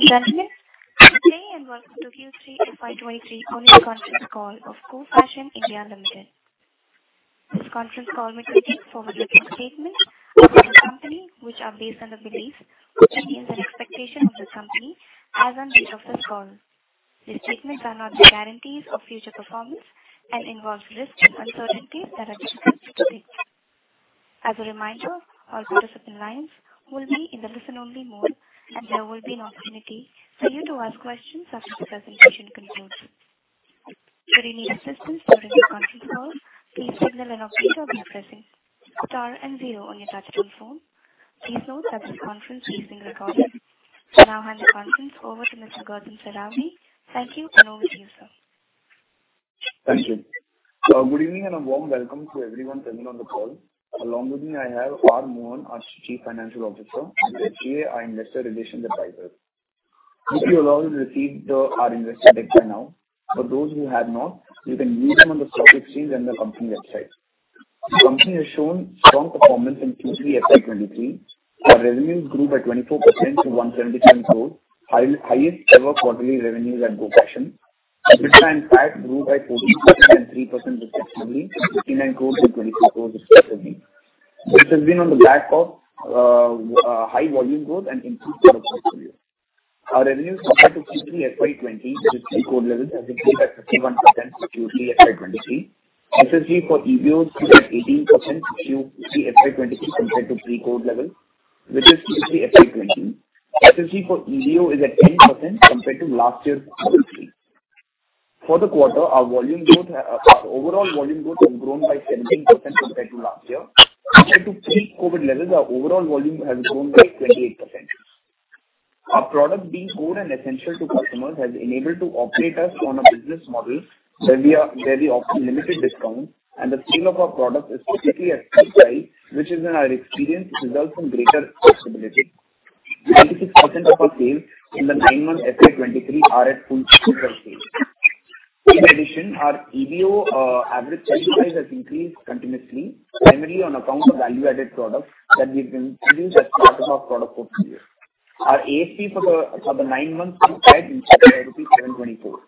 Ladies and gentlemen, good day and welcome to Q3 FY2023 earnings Conference Call of Go Fashion (India) Limited. This conference call may contain forward-looking statements about the company, which are based on the beliefs, opinions, and expectation of the company as on date of this call. These statements are not guarantees of future performance and involve risks and uncertainties that are difficult to predict. As a reminder, all participant lines will be in the listen-only mode, and there will be an opportunity for you to ask questions after the presentation concludes. If you need assistance during the conference call, please signal an operator by pressing star and zero on your touch-tone phone. Please note that this conference is being recorded. I will now hand the conference over to Mr. Gautam Saraogi. Thank you, and over to you, sir. Thank you. Good evening, and a warm welcome to everyone present on the call. Along with me, I have R. Mohan, our Chief Financial Officer, and SGA, our Investor Relations Advisor. Hope you all have received our investor deck by now. For those who have not, you can view it on the stock exchange and the company website. The company has shown strong performance in Q3 FY2023. Our revenues grew by 24% to 179 crores. Highest ever quarterly revenues at Go Fashion. EBITDA and PAT grew by 14% and 3% respectively, from 59 crores to 22 crores respectively, which has been on the back of high volume growth and increased product mix for you. Our revenues compared to Q3 FY2020 pre-COVID levels has increased at 51% for Q3 FY2023. SSG for EBO stood at 18% Q3 FY2023 compared to pre-COVID level, which is Q3 FY2020. SSG for EBO is at 10% compared to last year Q3. For the quarter, our volume growth, our overall volume growth has grown by 17% compared to last year. Compared to pre-COVID levels, our overall volume has grown by 28%. Our product being core and essential to customers has enabled to operate us on a business model where we offer limited discounts, and the feel of our product, especially at full price, which is in our experience, results in greater flexibility. 96% of our sales in the nine months FY2023 are at full retail price. In addition, our EBO average selling price has increased continuously, primarily on account of value-added products that we've introduced as part of our product portfolio. Our ASP for the nine months stands at rupees 724.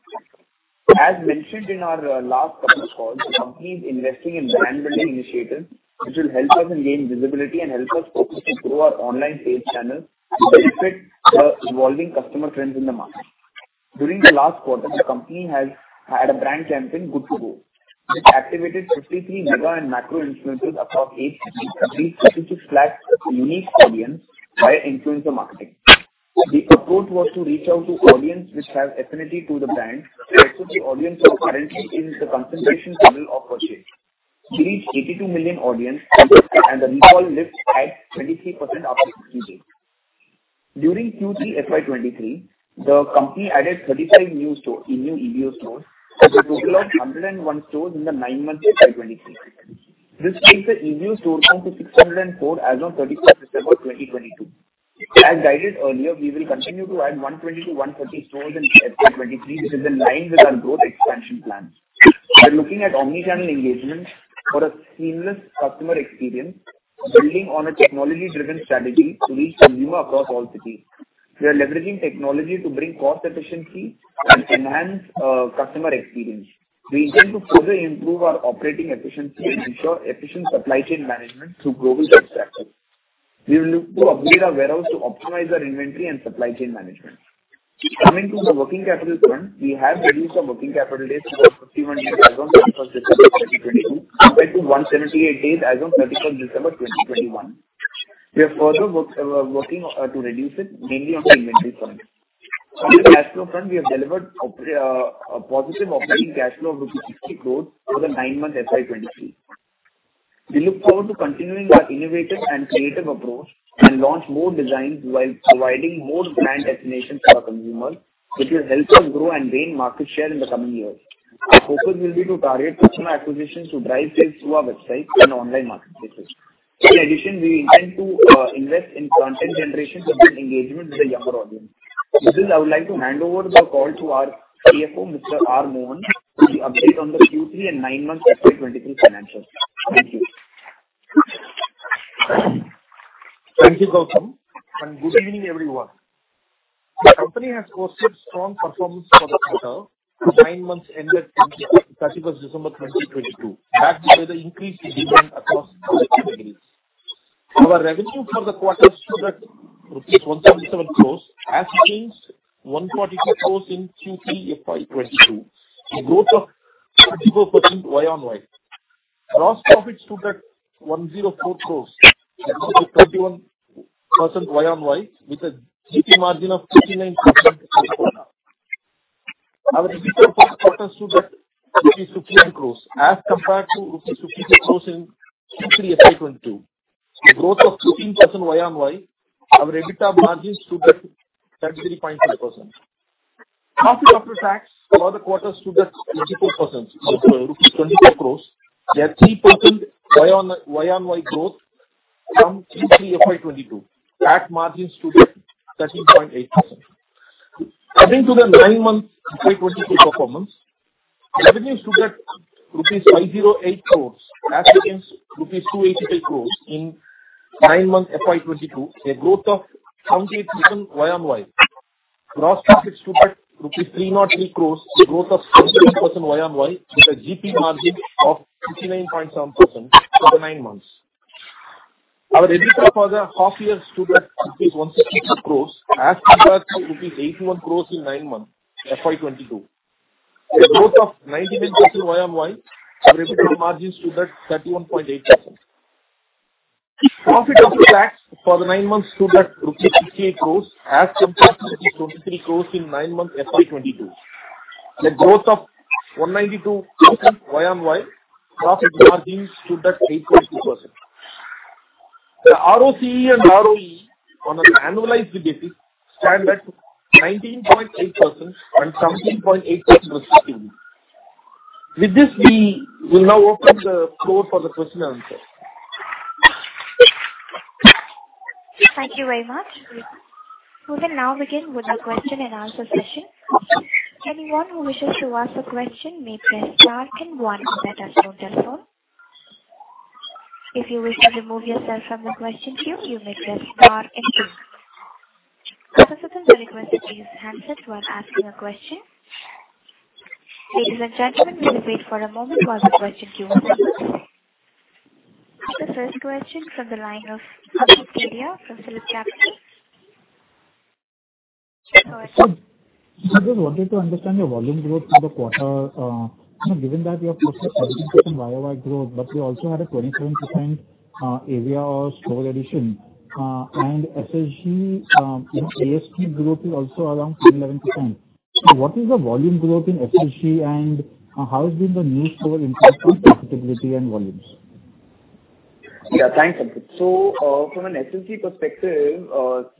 As mentioned in our last earnings call, the company is investing in brand-building initiatives which will help us in gain visibility and help us focus and grow our online sales channels to benefit the evolving customer trends in the market. During the last quarter, the company has had a brand campaign, Good To Go, which activated 53 mega and macro influencers across eight cities, reached 56 lakh unique audience via influencer marketing. The approach was to reach out to audience which have affinity to the brand and put the audience who are currently in the consideration funnel of purchase. We reached 82 million audience and the recall lift at 23% after six weeks. During Q3 FY23, the company added 35 new EBO stores with a total of 101 stores in the nine months FY23. This takes the EBO store count to 604 as on 31st December 2022. As guided earlier, we will continue to add 120 to 130 stores in FY2023, which is in line with our growth expansion plans. We are looking at omni-channel engagement for a seamless customer experience, building on a technology-driven strategy to reach consumer across all cities. We are leveraging technology to bring cost efficiency and enhance customer experience. We intend to further improve our operating efficiency and ensure efficient supply chain management through global best practices. We will look to upgrade our warehouse to optimize our inventory and supply chain management. Coming to the working capital front, we have reduced our working capital days to about 51 days as on December 31, 2022, compared to 178 days as on December 31, 2021. We are further working to reduce it mainly on the inventory front. On the cash flow front, we have delivered a positive operating cash flow of INR 60 crores for the nine-month FY2023. We look forward to continuing our innovative and creative approach and launch more designs while providing more brand destinations for our consumers, which will help us grow and gain market share in the coming years. Our focus will be to target personal acquisitions to drive sales through our website and online marketplaces. In addition, we intend to invest in content generation to build engagement with the younger audience. With this, I would like to hand over the call to our CFO, Mr. R. Mohan, with the update on the Q3 and nine-month FY2023 financials. Thank you. Thank you, Gautam, and good evening, everyone. The company has posted strong performance for the quarter to nine months ended 31st December 2022, backed by the increased demand across product categories. Our revenue for the quarter stood at 177 crores rupees as against rupees 142 crores in Q3 FY2022, a growth of 34% YoY. Gross Profit stood at INR 104 crores, an increase of 31% YoY, with a GP margin of 59% as per now. Our EBITDA for the quarter stood at 52 crores rupees as compared to rupees 50 crores in Q3 FY2022, a growth of 15% YoY. Our EBITDA margin stood at 33.4%. Profit After Tax for the quarter stood at INR 24 crores, that's 8% Y -o- Y growth from Q3 FY2022. PAT margins stood at 13.8%. Coming to the nine-month F20Y22 performance, revenues stood at INR 508 crores as against INR 288 crores in nine-month FY2022, a growth of 70% Y -o-Y. Gross profit stood at rupees 303 crores, a growth of 68% Y -o- Y with a GP margin of 69.some% for the nine months. Our EBITDA for the half year stood at 166 crores as compared to rupees 81 crores in nine months, FY2022. A growth of 99% YoY, our EBITDA margins stood at 31.8%. Profit after tax for the nine months stood at rupees 68 crores as compared to 23 crores in nine months FY2022. A growth of 192% YoY, profit margins stood at 8.2%. The ROCE and ROE on an annualized basis stand at 19.8% and 17.8% respectively. With this, we will now open the floor for the question and answer. Thank you very much. We will now begin with the question and answer session. Anyone who wishes to ask a question may press star then one on their telephone. If you wish to remove yourself from the question queue, you may press star and two. Participants are requested to use handsets while asking a question. Ladies and gentlemen, we'll wait for a moment while the question queue recovers. The first question from the line of Ankit Kedia from Phillip Capital. Go ahead. I just wanted to understand your volume growth for the quarter. You know, given that you have posted 17% YoY growth, but you also had a 27% area or store addition. And SSG, you know, ASP growth is also around 10%, 11%. What is the volume growth in SSG, and how has been the new store impact on profitability and volumes? Yeah. Thanks, Ankit. From an SSG perspective,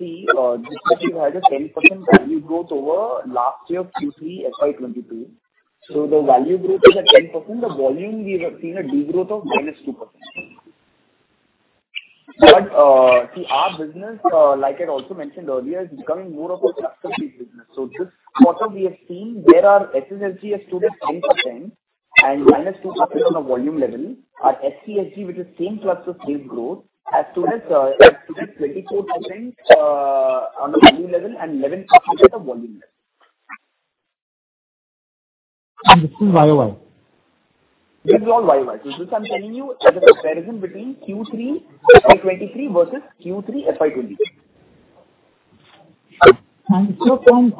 this quarter we've had a 10% value growth over last year Q3 FY2022. The value growth is at 10%. The volume we have seen a degrowth of -2%. Our business, like I'd also mentioned earlier, is becoming more of a cluster-based business. This quarter we have seen there are SSSG has stood at 10% and -2% on a volume level. Our SSSG, which is same cluster, same growth, has stood at 24% on a volume level and 11% of volume level. This is Y-o- Y? These are all Y -o- Y, Sampat. I'm telling you the comparison between Q3 FY 2023 versus Q3 FY 2022. Thank you. From,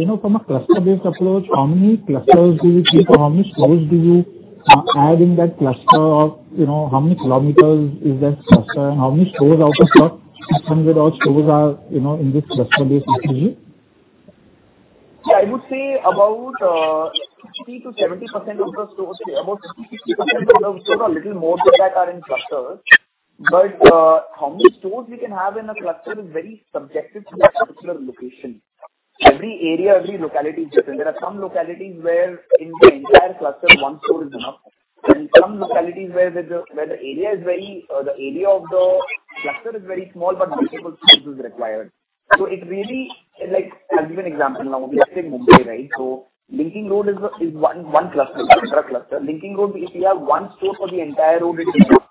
you know, from a cluster-based approach, how many clusters do you keep or how many stores do you add in that cluster? You know, how many kilometers is that cluster and how many stores out of 600 odd stores are, you know, in this cluster-based SSG? Yeah, I would say about 60%-70% of the stores. About 60% of the stores or little more than that are in clusters. How many stores we can have in a cluster is very subjective to that particular location. Every area, every locality is different. There are some localities where in the entire cluster one store is enough, and some localities where the area of the cluster is very small, but multiple stores is required. I'll give you an example now. We are saying Mumbai, right? Linking Road is one cluster. Linking Road, if you have one store for the entire road, it's enough.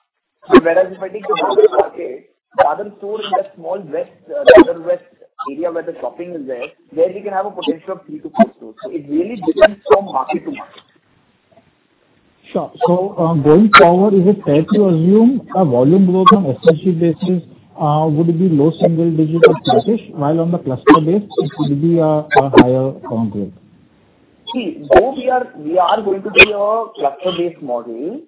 If I take the Bhuleshwar market, the other store in that small west, rather west area where the shopping is there we can have a potential of three to four stores. It really depends from market to market. Sure. Going forward, is it fair to assume a volume growth on SSG basis, would be low single digits at best, while on the cluster base it could be a higher growth? Though we are going to be a cluster-based model,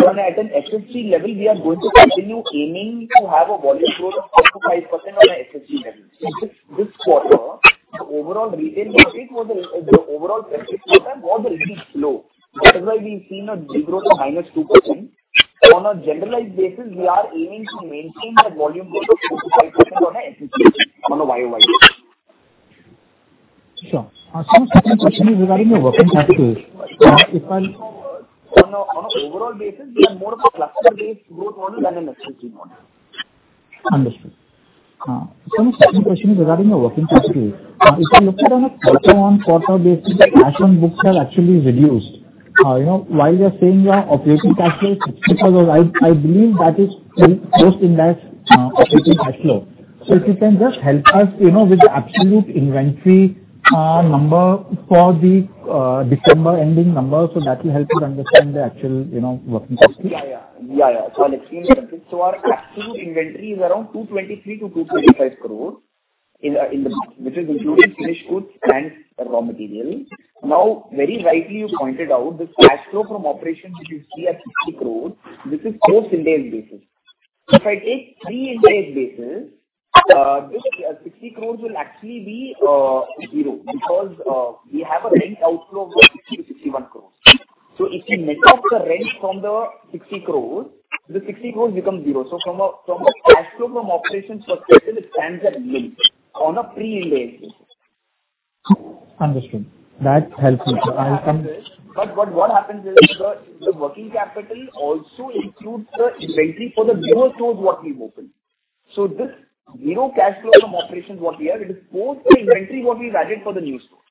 but at an SSG level, we are going to continue aiming to have a volume growth of 4% to 5% on a SSG level. This quarter, the overall retail traffic was the overall traffic footfall was really slow. That is why we've seen a degrowth of -2%. On a generalized basis, we are aiming to maintain that volume growth of 4% to 5% on a SSG, on a Y -o- Y basis. Sure. My second question is regarding your working capital. On an overall basis, we are more of a cluster-based growth model than an SSG model. Understood. My second question is regarding your working capital. If you look at on a quarter-on-quarter basis, the cash on books are actually reduced. You know, while you are saying your operating cash flow is INR 60 crores, I believe that is still gross in that operating cash flow. If you can just help us, you know, with the absolute inventory number for the December ending number, that will help to understand the actual, you know, working capital. Yeah, yeah. Yeah, yeah. Let's see, Ankit. Our absolute inventory is around INR 223 crores-INR 225 crores in the, which is including finished goods and raw material. Now, very rightly, you pointed out this cash flow from operations which is here 60 crores, this is post-indebted basis. If I take pre-indebted basis, this 60 crores will actually be zero because we have a rent outflow of 60 crores-61 crores. If we net off the rent from the 60 crores, the 60 crores becomes zero. From a, from a cash flow from operations perspective, it stands at nil on a pre-indebted basis. Understood. That helps me. What happens is the working capital also includes the inventory for the newer stores what we've opened. This zero cash flow from operations was here. It is both the inventory what we've added for the new stores.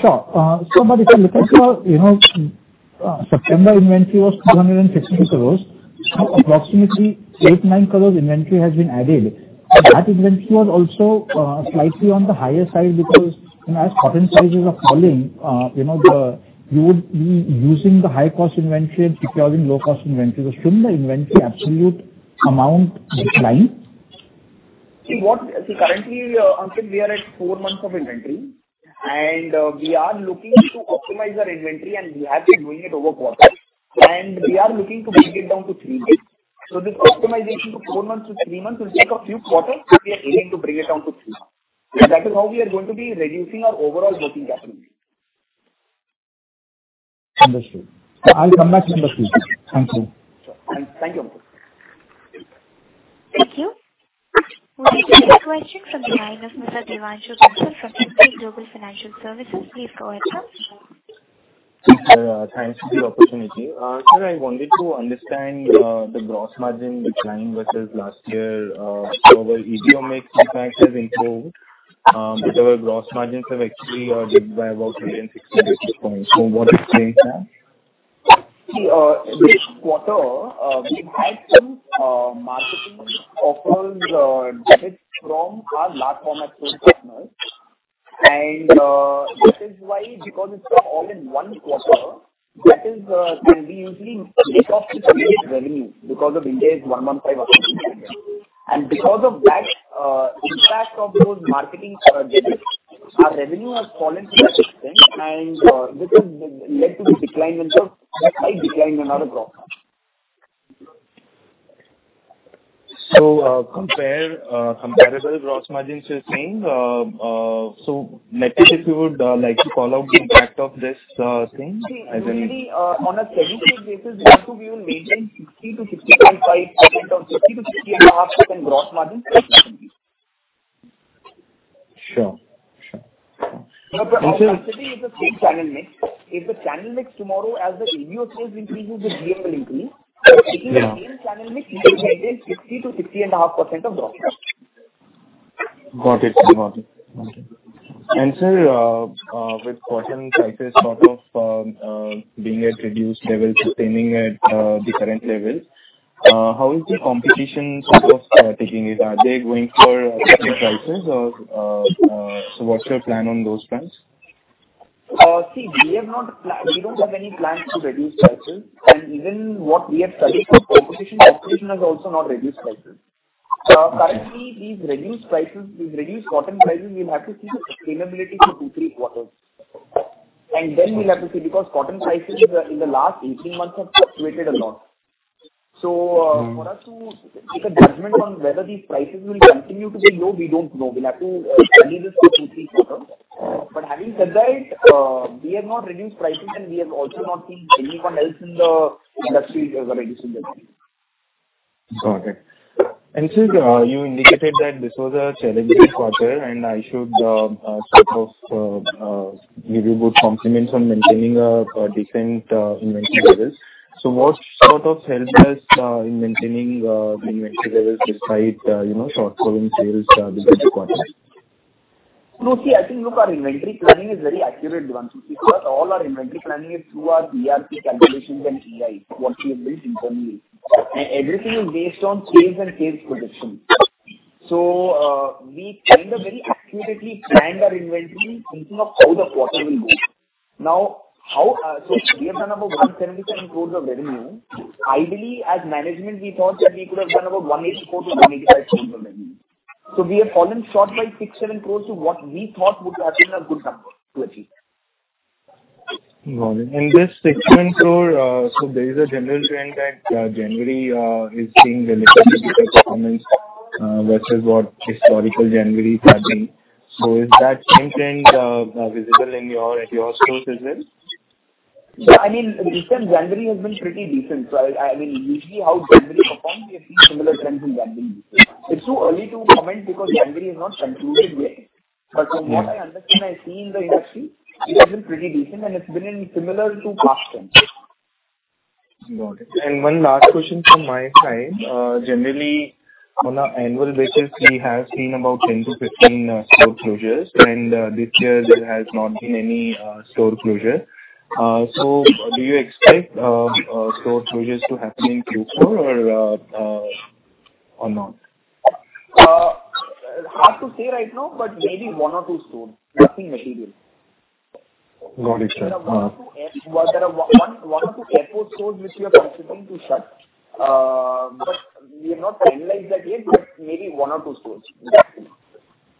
Sure. If you look at your, you know, September inventory was 262 crores. Approximately 8 to 9 crores inventory has been added. That inventory was also slightly on the higher side because, you know, as cotton prices are falling, you know, you would be using the high-cost inventory and securing low-cost inventory. Shouldn't the inventory absolute amount decline? See currently, Ankit, we are at four months of inventory and we are looking to optimize our inventory and we have been doing it over quarters. We are looking to bring it down to three months. This optimization to four months to three months will take a few quarters, but we are aiming to bring it down to three months. That is how we are going to be reducing our overall working capital. Understood. I'll come back to you on this. Thank you. Sure. Thank you, Ankit. Thank you. We'll take the next question from the line of Mr. Devanshu Bansal from Emkay Global Financial Services. Please go ahead, sir. Sure. Thanks for the opportunity. Sir, I wanted to understand the gross margin decline versus last year. While EBITDA impact has improved, but our gross margins have actually dipped by about 360 basis points. What explains that? See, this quarter, we had some marketing offers, debits from our platform at store partners. This is why because it's all in 1 quarter, that is, can be usually written off to create revenue because the window is one month, or something like that. Because of that, impact of those marketing debits, our revenue has fallen to that extent and this has led to the decline in turn. That's why decline and not a drop. Compare, comparable gross margins you're saying. next if you would like to call out the impact of this, thing. Usually, on a steady-state basis, we will maintain 60% to 65.5% or 60% to 60.5% gross margin approximately. Sure. Sure. No. And-... this is the same channel mix. If the channel mix tomorrow as the EBO sales increases, the GM will increase. Yeah. Keeping the same channel mix, we will maintain 60% to 60.5% of gross margin. Got it. Sir, with cotton prices sort of being at reduced levels, sustaining at the current levels, how is the competition sort of taking it? Are they going for reduced prices or... What's your plan on those fronts? See, we don't have any plans to reduce prices. Even what we have studied from competition has also not reduced prices. Currently, these reduced prices, these reduced cotton prices, we have to see the sustainability for two, three quarters, and then we'll have to see because cotton prices in the last 18 months have fluctuated a lot. Mm-hmm. For us to make a judgment on whether these prices will continue to be low, we don't know. We'll have to study this for two, three quarters. Having said that, we have not reduced pricing and we have also not seen anyone else in the industry reducing their pricing. Got it. Sir, you indicated that this was a challenging quarter, and I should sort of give you good compliments on maintaining decent inventory levels. What sort of helped us in maintaining the inventory levels despite, you know, short falling sales this quarter? No, see, I think, look, our inventory planning is very accurate, Devanshu. Because all our inventory planning is through our ERP calculations and AI, what we have built internally. Everything is based on sales and sales prediction. We kind of very accurately planned our inventory in terms of how the quarter will go. We have done about 177 crores of revenue. Ideally, as management, we thought that we could have done about 184 to 185 crores of revenue. We have fallen short by 6 to 7 crores to what we thought would have been a good number to achieve. Got it. This 6 to 7 crore, so there is a general trend that January is being relatively weaker performance versus what historical January has been. Is that same trend visible in your, at your stores as well? I mean, this time January has been pretty decent. I mean, usually how January performs, we have seen similar trends in January. It's too early to comment because January has not concluded yet. Mm-hmm. From what I understand, I see in the industry, it has been pretty decent and it's been in similar to past trends. Got it. One last question from my side. Generally, on an annual basis, we have seen about 10 to 15 store closures, this year there has not been any store closure. Do you expect store closures to happen in future or not? Hard to say right now, but maybe one or two stores. Nothing material. Got it, sir. There are one or two airport stores which we are considering to shut. We have not finalized that yet, but maybe one or two stores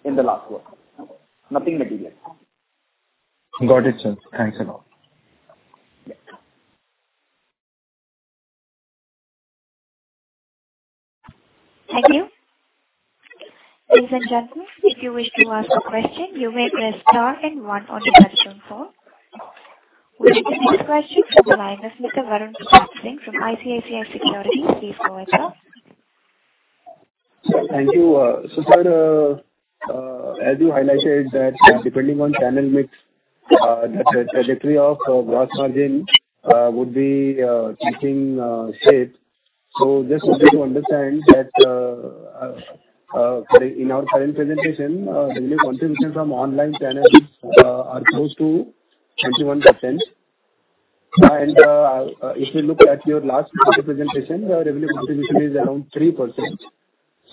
in the last quarter. Nothing material. Got it, sir. Thanks a lot. Yeah. Thank you. Ladies and gentlemen, if you wish to ask a question, you may press star then one on your telephone. We'll take the next question from the line of Mr. Varun Pratap Singh from ICICI Securities. Please go ahead, sir. Sir, thank you. Sir, as you highlighted that depending on channel mix, the trajectory of gross margin would be changing shape. Just wanted to understand that in our current presentation, revenue contribution from online channels are close to 21%. If we look at your last quarter presentation, the revenue contribution is around 3%.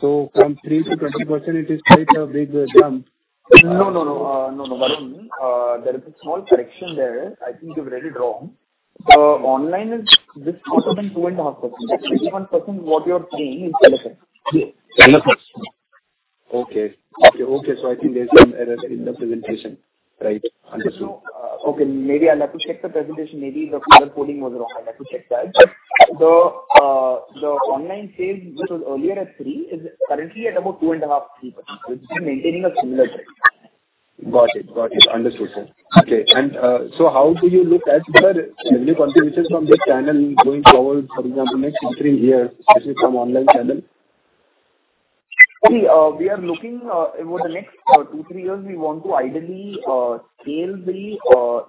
From 3% to 20%, it is quite a big jump. No, no. No, no, Varun. There is a small correction there. I think you've read it wrong. The online is just less than 2.5%. The 21% what you're saying is telephones. Telephones. Okay. Okay, okay. I think there's some error in the presentation. Right. Understood. Okay. Maybe I'll have to check the presentation. Maybe the color coding was wrong. I'll have to check that. The online sales, which was earlier at thre, is currently at about two and a half, 3%. It's been maintaining a similar trend. Got it. Understood, sir. Okay. How do you look at the revenue contributions from this channel going forward, for example, next two, three years, especially from online channel? We are looking over the next two, three years we want to ideally scale the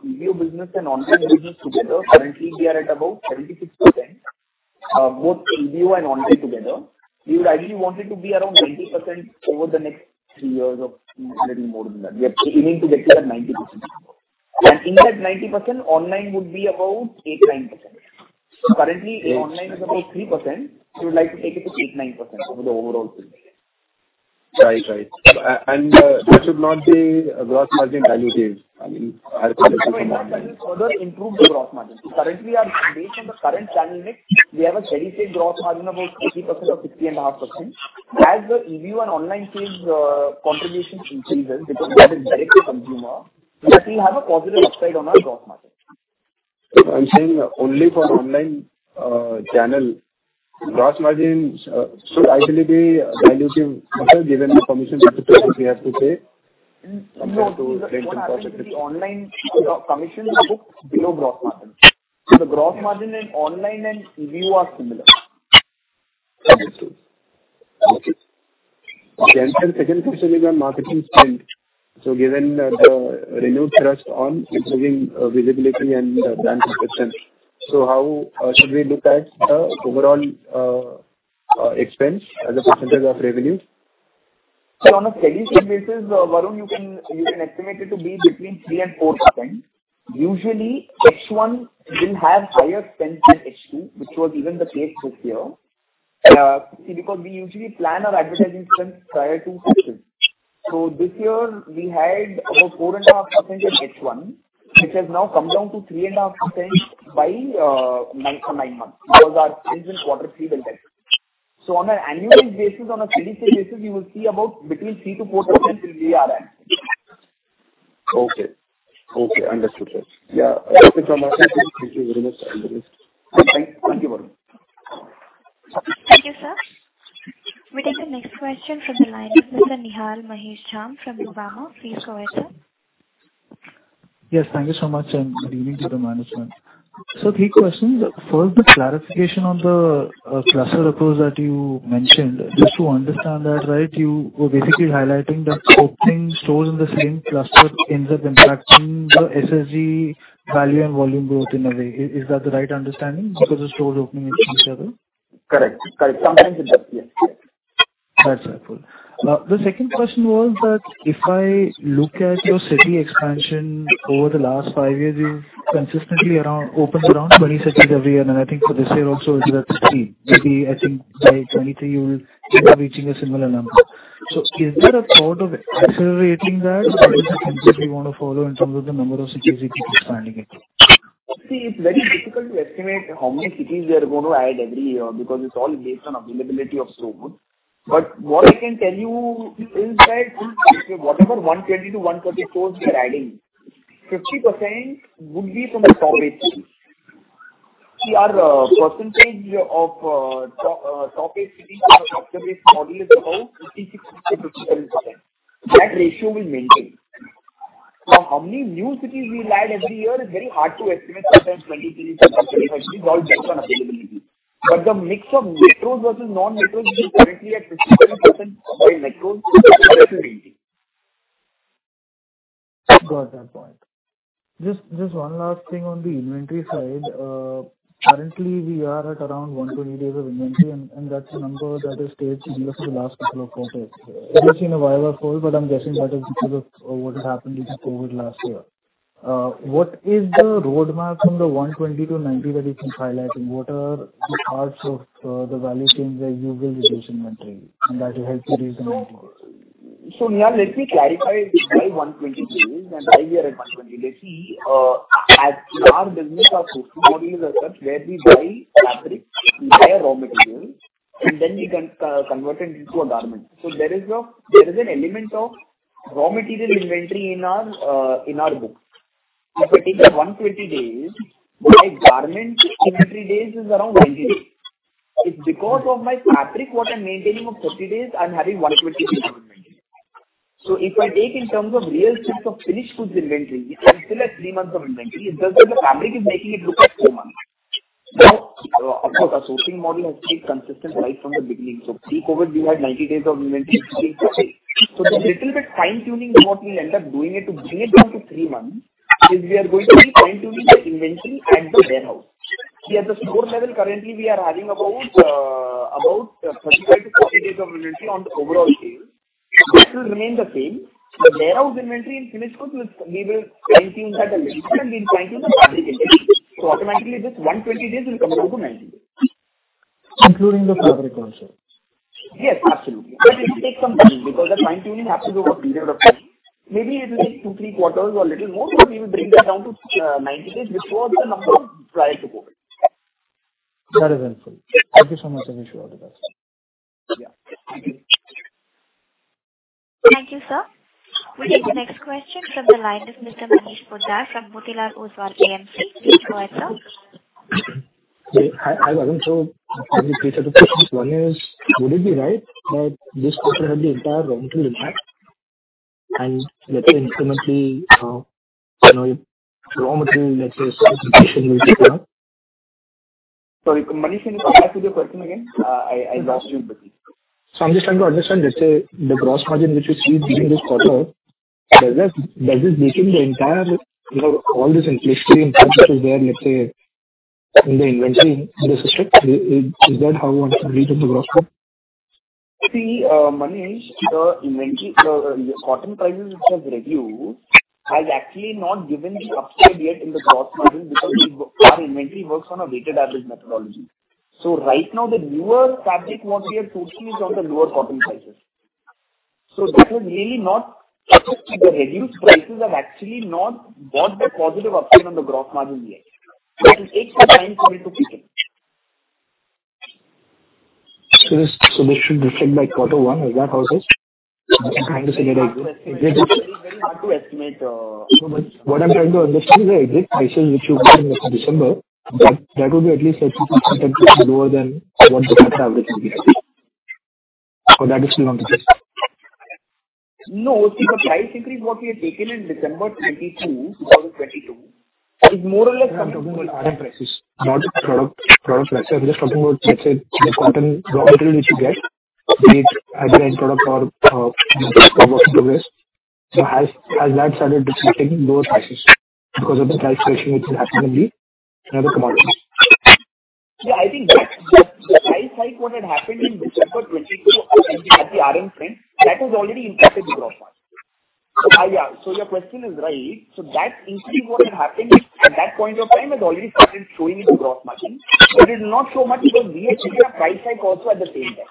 EBO business and online business together. Currently, we are at about 76% both EBO and online together. We would ideally want it to be around 80% over the next 3 years or little more than that. We are aiming to get to that 90%. In that 90%, online would be about 8%, 9%. Currently online is about 3%. We would like to take it to 8%, 9% over the overall sales. Right. Right. That should not be a gross margin dilutive. I mean No, in fact that will further improve the gross margin. Currently, based on the current channel mix, we have a steady state gross margin about 50% or 50.5%. As the EBO and online sales contribution increases because we have a direct to consumer, that will have a positive upside on our gross margin. I'm saying only for online channel. Gross margins should ideally be dilutive, given the commissions and the prices we have to pay compared to. No. What happens is online commission is booked below gross margin. The gross margin in online and EBO are similar. Understood. Okay. Second question is on marketing spend. Given the renewed thrust on improving visibility and brand perception, how should we look at the overall expense as a % of revenue? On a steady state basis, Varun, you can estimate it to be between 3% and 4%. Usually H1 will have higher spend than H2, which was even the case this year. See, because we usually plan our advertising spend prior to half year. This year we had about 4.5% in H1, which has now come down to 3.5% by for 9 months because our spend in Q3 was less. On an annualized basis, on a steady state basis, we will see about between 3% to 4% in GRX. Okay. Okay. Understood, sir. Yeah. Thank you very much. Understood. All right. Thank you, Varun. Thank you, sir. We take the next question from the line of Mr. Nihal Mahesh Jham from Nuvama. Please go ahead, sir. Yes. Thank you so much. Good evening to the management. Three questions. First, the clarification on the cluster approach that you mentioned. Just to understand that right, you were basically highlighting that opening stores in the same cluster ends up impacting the SSG value and volume growth in a way. Is that the right understanding because the stores opening next to each other? Correct. Sometimes it does. Yes. That's helpful. The second question was that if I look at your city expansion over the last 5 years, you've consistently opened around 20 cities every year, and I think for this year also it's at 30. Maybe I think by 2023 you will be reaching a similar number. Is there a thought of accelerating that or is it the pace you wanna follow in terms of the number of cities you keep expanding into? It's very difficult to estimate how many cities we are going to add every year because it's all based on availability of store roots. What I can tell you is that in whatever 120 to 130 stores we are adding, 50% would be from the top eight cities. Our percentage of top eight cities to our octobase model is about 50%, 60% to 57%. That ratio will maintain. How many new cities we'll add every year is very hard to estimate. Sometimes 20 cities, sometimes 25 cities, all based on availability. The mix of metros versus non-metros is currently at 53% by metros. Got that point. Just one last thing on the inventory side. Currently we are at around 120 days of inventory and that's a number that has stayed similar for the last couple of quarters. It has seen a viral fall, but I'm guessing that is because of what had happened due to COVID last year. What is the roadmap from the 120 to 90 that you've been highlighting? What are the parts of the value chain where you will reduce inventory and that will help you reach the 90 days? Nihal, let me clarify why 120 days and why we are at 120. Let's see, as our business, our store model is such where we buy fabric, we buy raw material, and then we convert it into a garment. There is an element of raw material inventory in our in our books. If I take the 120 days, my garment inventory days is around 90 days. It's because of my fabric, what I'm maintaining of 30 days, I'm having 120 days inventory. If I take in terms of real terms of finished goods inventory, we are still at three months of inventory. It's just that the fabric is making it look like four months. Now, of course, our sourcing model has been consistent right from the beginning. Pre-COVID, we had 90 days of inventory. This little bit fine-tuning what we end up doing it to bring it down to three months is we are going to be fine-tuning the inventory at the warehouse. At the store level, currently we are having about 35 to 40 days of inventory on the overall sales. This will remain the same. The warehouse inventory in finished goods we will fine-tune that a little, and we fine-tune the fabric inventory. Automatically, this 120 days will come down to 90 days. Including the fabric also. Yes, absolutely. It will take some time because the fine-tuning has to go over a period of time. Maybe it will take two, three quarters or a little more, but we will bring that down to 90 days, which was the number prior to COVID. That is helpful. Thank you so much. I wish you all the best. Yeah. Thank you Thank you, sir. We take the next question from the line of Mr. Manish Poddar from Motilal Oswal AMC. Please go ahead, sir. Hi, Gautam. One is, would it be right that this quarter had the entire raw material impact and let's say incrementally, you know, raw material, let's say Sorry, Manish. Can you repeat the question again? I lost you a bit. I'm just trying to understand, let's say, the gross margin which you see during this quarter, does it bake in the entire, you know, all this inflationary impact which was there, let's say, in the inventory this is took? Is that how one can read in the gross margin? Manish, the inventory, the cotton prices which has reduced has actually not given the upside yet in the gross margin because our inventory works on a weighted average methodology. Right now, the newer fabric what we are sourcing is on the lower cotton prices. That has really not adjusted. The reduced prices have actually not bought that positive upside on the gross margin yet. It will take some time for it to kick in. This should reflect by Q1. Is that how it is?[Speech Overlap] It's very hard to estimate. What I'm trying to understand is the exit prices which you gave in December, that would be at least 30% to 40% lower than what the current average will be. I see. That is still on the test. No. See, the price increase what we had taken in December 2022 is more or less comfortable RM prices, not the product price. I'm just talking about, let's say, the cotton raw material which you get, be it a dyed product or a top of progress. Has that started reflecting lower prices because of the price correction which is happening in the other commodities? I think that the price hike what had happened in December 22 at the RM front, that has already impacted the gross margin. Your question is right. That increase what had happened at that point of time has already started showing in the gross margin. It's not so much because we have taken a price hike also at the same time.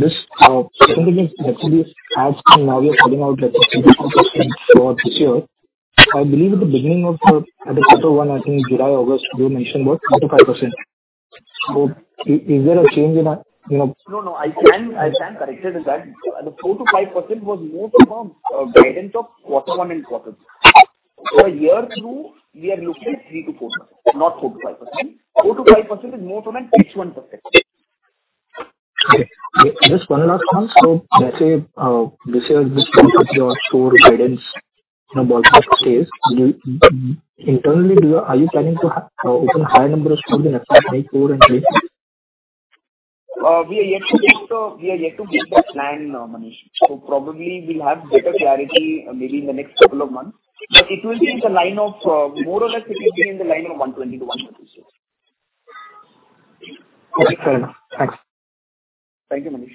This as from now we are putting out for this year. I believe at the beginning of the quarter one, I think July, August, you mentioned about 4% to 5%. Is there a change in, you know? No, no. I stand corrected that the 4% to 5% was more from a guidance of Q1 and Q2. For a year through, we are looking at 3% to 4%, not 4% to 5%. 4% to 5% is more from a Q1 perspective. Okay. Just 1 last 1. Let's say, this year your store guidance, you know, ballpark stays. Internally, are you planning to open a higher number of stores in the next five, four, and three? We are yet to fix the plan, Manish. Probably we'll have better clarity, maybe in the next couple of months. It will be in the line of, more or less it will be in the line of 120 to 150 stores. [inaudible] Okay, sir. Thanks. Thank you, Manish.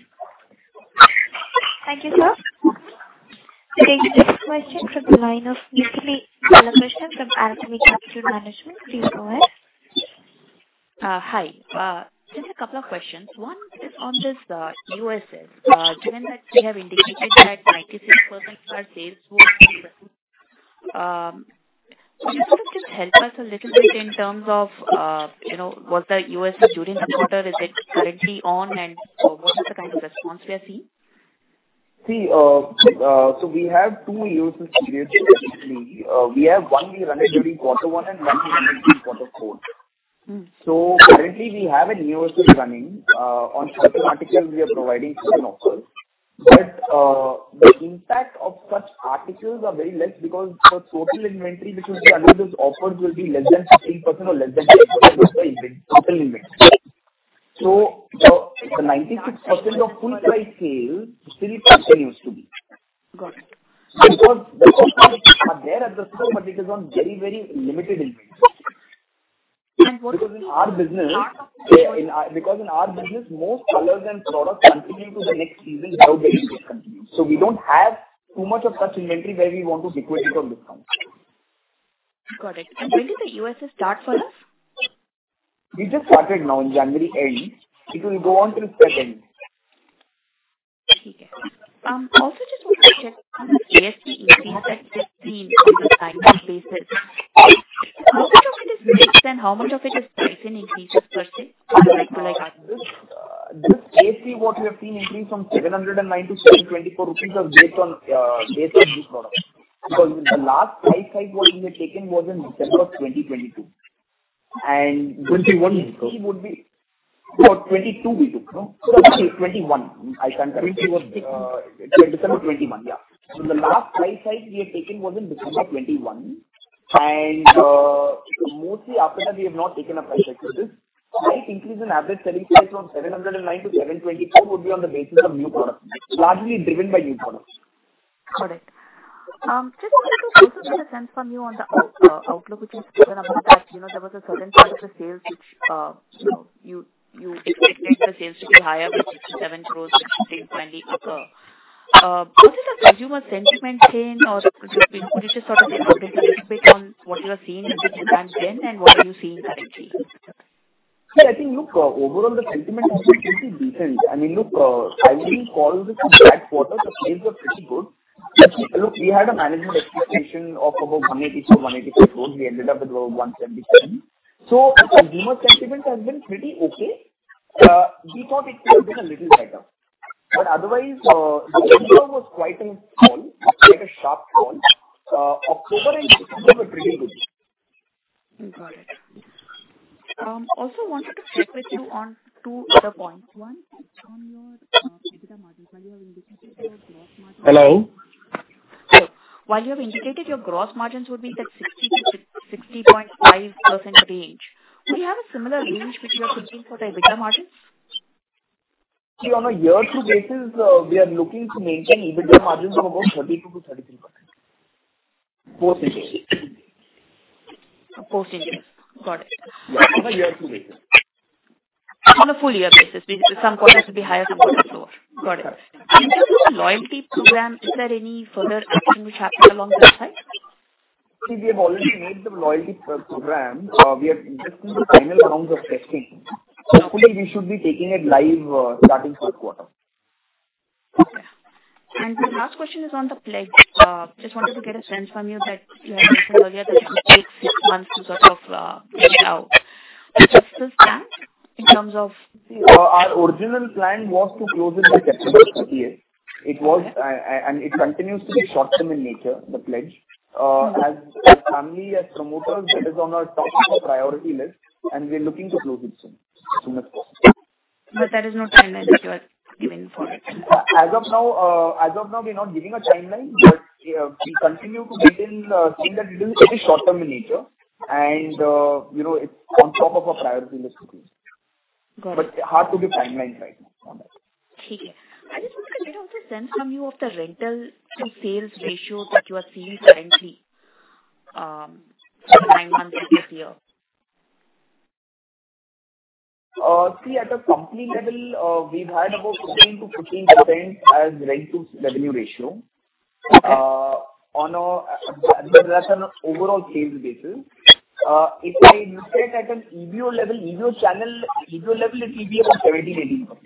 Thank you, sir. We take the next question from the line of Mythili Balakrishnan from Alchemy Capital Management. Please go ahead. Hi. Just a couple of questions. One is on this, SSSG. Given that we have indicated that 96% of our sales were. Can you sort of just help us a little bit in terms of, you know, was the SSSG during the quarter? Is it currently on? What is the kind of response we are seeing? We have 2 SSSG periods basically. We have 1 we run it during quarter 1 and 1 we run it during Q4. Mm. Currently, we have an SSSG running on certain articles we are providing certain offers. The impact of such articles are very less because the total inventory which will come under those offers will be less than 15% or less than 20% of the total inventory. The 96% of full price sales still continues to be. Got it. Those offers are there at the store, but it is on very, very limited inventory. what- In our business, most colors and products continue to the next season without any discount continued. We don't have too much of such inventory where we want to discount it on discount. Got it. When did the SSSG start for us? We just started now in January end. It will go on till March end. Also just wanted to check on the ASP increase we have seen on a like-to-like basis. How much of it is mix and how much of it is price and increases versus? This, this ASP what we have seen increase from 709 rupees to 724 rupees are based on, based on new products. Because the last price hike what we had taken was in September of 2022. 21 would be- For 2022 we took, no? Twenty- 21. I confirm. December 2021, yeah. The last price hike we had taken was in December 2021. Mostly after that we have not taken a price hike. This slight increase in average selling price from 709 to 724 would be on the basis of new products, largely driven by new products. Correct. Just wanted to also get a sense from you on the outlook which you had spoken about that, you know, there was a certain part of the sales which, you know, you expected the sales to be higher with 67 crores versus INR 60, INR 20. Was it a consumer sentiment change or just, you know, could you sort of elaborate a little bit on what you were seeing at that time then and what are you seeing currently? Yeah, I think look, overall the sentiment has been pretty decent. I mean, look, I wouldn't call this a bad quarter. The sales were pretty good. Look, we had a management expectation of about 180 crores-185 crores. We ended up with over 177. Consumer sentiment has been pretty okay. We thought it could have been a little better. Otherwise, September was quite a fall, like a sharp fall. October and November were pretty good. Got it. Also wanted to check with you on 2 other points. One, on your EBITDA margins, while you have indicated your gross margins. Hello? While you have indicated your gross margins would be like 60%-60.5% range, do you have a similar range which you are looking for the EBITDA margins? See, on a year-to basis, we are looking to maintain EBITDA margins of about 32%-33%. Post interest. Post interest. Got it. Yeah. On a year-to basis. On a full year basis. Basically some quarters will be higher, some quarters lower. Got it. Correct. In terms of the loyalty program, is there any further testing which happened along that side? We have already made the loyalty program. We are interesting the final rounds of testing. Hopefully we should be taking it live, starting first quarter. Okay. My last question is on the pledge. Just wanted to get a sense from you that you had mentioned earlier that it would take 6 months to sort of get it out. What's the plan in terms of... See, our original plan was to close it by December this year. It was and it continues to be short-term in nature, the pledge. As a family, as promoters, that is on our top of priority list and we're looking to close it soon, as soon as possible. There is no timeline that you are giving for it? As of now, as of now we're not giving a timeline. Yeah, we continue to retain, saying that it is very short-term in nature and, you know, it's on top of our priority list to close it. Got it. Hard to give timelines right now on that. Okay. I just wanted to get a sense from you of the rental to sales ratio that you are seeing currently, for the nine months ended here. See, at a company level, we've had about 14%-15% as rent to revenue ratio. On a other than overall sales basis. If I look at an EBO level, EBO channel, EBO level it will be about 17%-18%.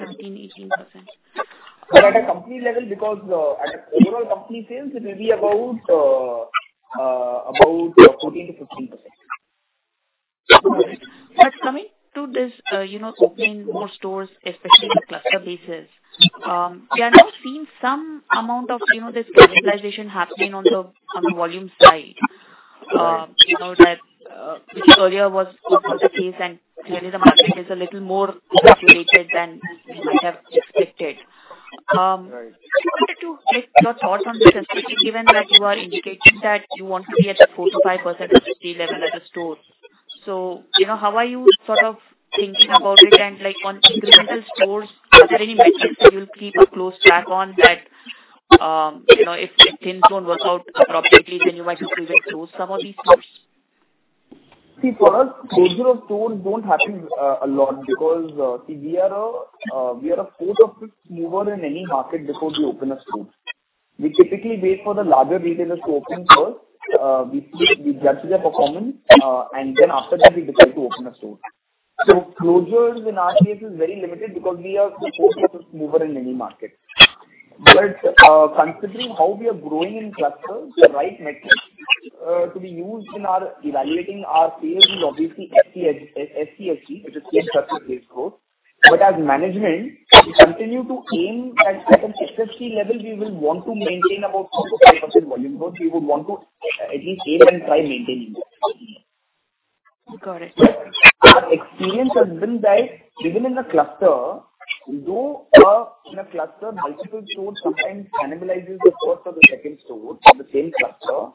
17%, 18%. At a company level because, at an overall company sales it will be about 14% to 15%. All right. Coming to this, you know, opening more stores, especially on a cluster basis, we are now seeing some amount of, you know, this cannibalization happening on the, on the volume side. Correct. You know that, which earlier was not the case and clearly the market is a little more saturated than you might have expected. Right. I just wanted to get your thoughts on this aspect given that you are indicating that you want to be at the 4% to 5% SSG level at a store. You know, how are you sort of thinking about it? Like on incremental stores, are there any metrics that you'll keep a close track on that, you know, if things don't work out appropriately then you might just rather close some of these stores? See for us, closure of stores don't happen a lot because, see, we are a foot of foot mover in any market before we open a store. We typically wait for the larger retailers to open first. We judge their performance, and then after that we decide to open a store. Closures in our case is very limited because we are the foot of foot mover in any market. Considering how we are growing in clusters, the right metrics to be used in our evaluating our sales is obviously SCSG, which is same-cluster-based growth. As management we continue to aim at an SSG level we will want to maintain about 4% to 5% volume growth. We would want to at least aim and try maintaining that. Got it. Our experience has been that within a cluster, though, in a cluster multiple stores sometimes cannibalizes the first or the second store for the same cluster,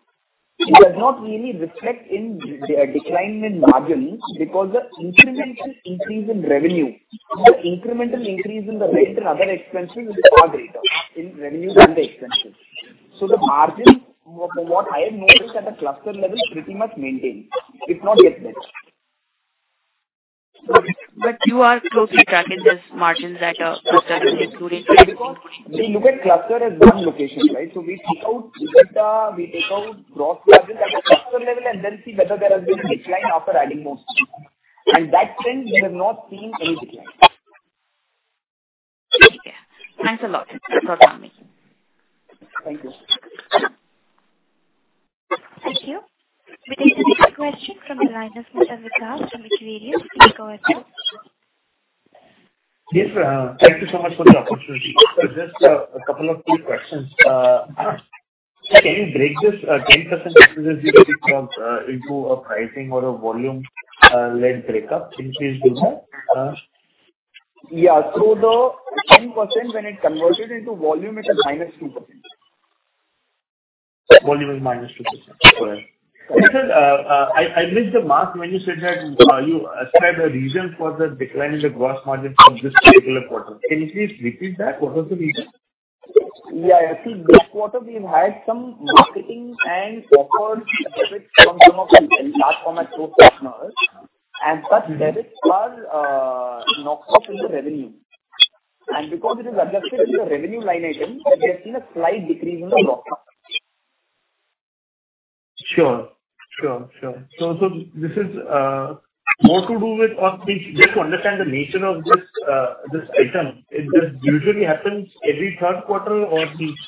it does not really reflect in the decline in margins because the incremental increase in revenue and the incremental increase in the rent and other expenses is far greater in revenue than the expenses. The margins, what I have noticed at a cluster level is pretty much maintained, if not get better. Got it. You are closely tracking these margins at a cluster level too, right? We look at cluster as one location, right? We take out data, we take out gross margin at the cluster level and then see whether there has been a decline after adding more stores. That trend we have not seen any decline. Okay. Thanks a lot for calling me. Thank you. Thank you. We take the next question from the line of Mr. Vikas Jain from Equirus Capital. Yes, thank you so much for the opportunity. Just a couple of quick questions. Can you break this 10% increases you speak of into a pricing or a volume led breakup, can you please do that? Yeah. The 10% when it converted into volume, it is minus 2%. Volume is minus 2%. Correct. Yes. Sir, I missed the mark when you said that, you ascribed a reason for the decline in the gross margin from this particular quarter. Can you please repeat that? What was the reason? Yeah. You see, this quarter we've had some marketing and offers from some of the large format store partners and such debits are knocked off in the revenue. Because it is adjusted in the revenue line item, we have seen a slight decrease in the gross. Sure. Sure, sure. This is more to do with or just to understand the nature of this item, it just usually happens every third quarter or each...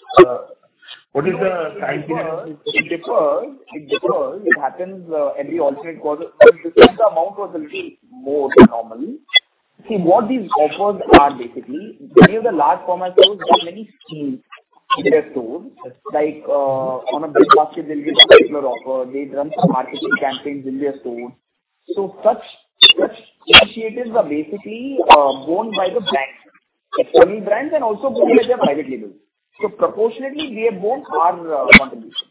What is the time period? It differs. It differs. It happens every alternate quarter. This time the amount was a little more than normal. See, what these offers are basically, during the large format sales, there are many schemes in their stores. Like, on a BigBasket they'll give a particular offer. They run some marketing campaigns in their stores. Such initiatives are basically borne by the brands, the family brands and also borne by their private labels. Proportionately we have borne our contribution.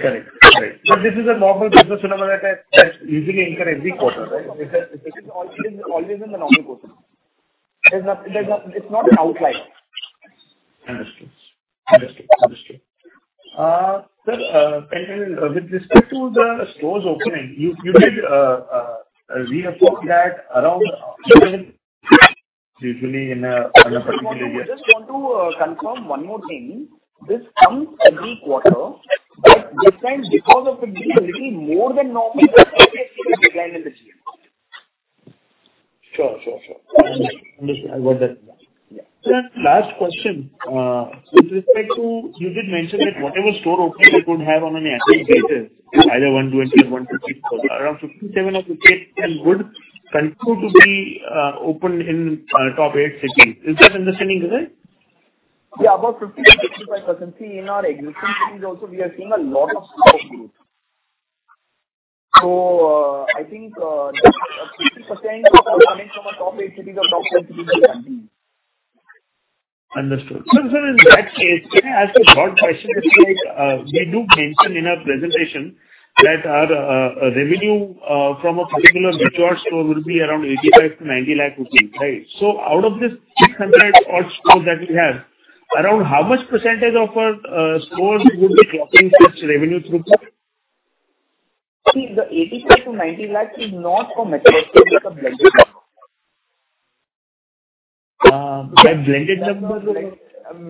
Correct. This is a normal business phenomenon that usually occurs every quarter, right? It is always in the normal course. There's no. It's not an outlier. Understood. Understood. Understood. Sir, with respect to the stores opening, you did reaffirm that around 10 usually in a particular year. I just want to confirm one more thing. This comes every quarter, but this time because of it being a little more than normal, we have seen a decline in the GM. Sure, sure. Understood. Understood. I got that. Yeah. Sir, last question. with respect to You did mention that whatever store openings we could have on an annual basis, either 120 or 150, around 57 or 58 still would continue to be opened in top eight cities. Is that understanding correct? Yeah. About 50-55%. See, in our existing cities also we are seeing a lot of store base. I think, 60% of our openings from our top 8 cities are top 10 cities only. Understood. Sir, in that case, can I ask a broad question? Like, we do mention in our presentation that our revenue from a particular matured store will be around 85 lakh 90 lakh rupees, right? Out of this 600 odd stores that we have, around how much % of our stores would be clocking such revenue throughput? See the 85 lakh to 90 lakh is not for matured stores. It's a blended number. by blended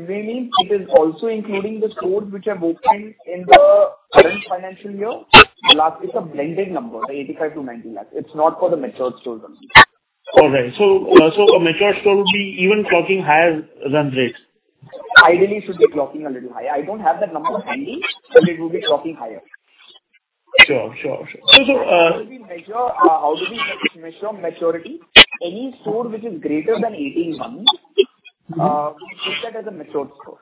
We mean it is also including the stores which have opened in the current financial year. Last is a blended number, the 85 lakh to 90 lakh. It's not for the matured stores only. All right. a matured store would be even clocking higher than this? Ideally it should be clocking a little higher. I don't have that number handy, but it will be clocking higher. Sure. Sure, sure. How do we measure maturity? Any store which is greater than 18 months, we keep that as a matured store.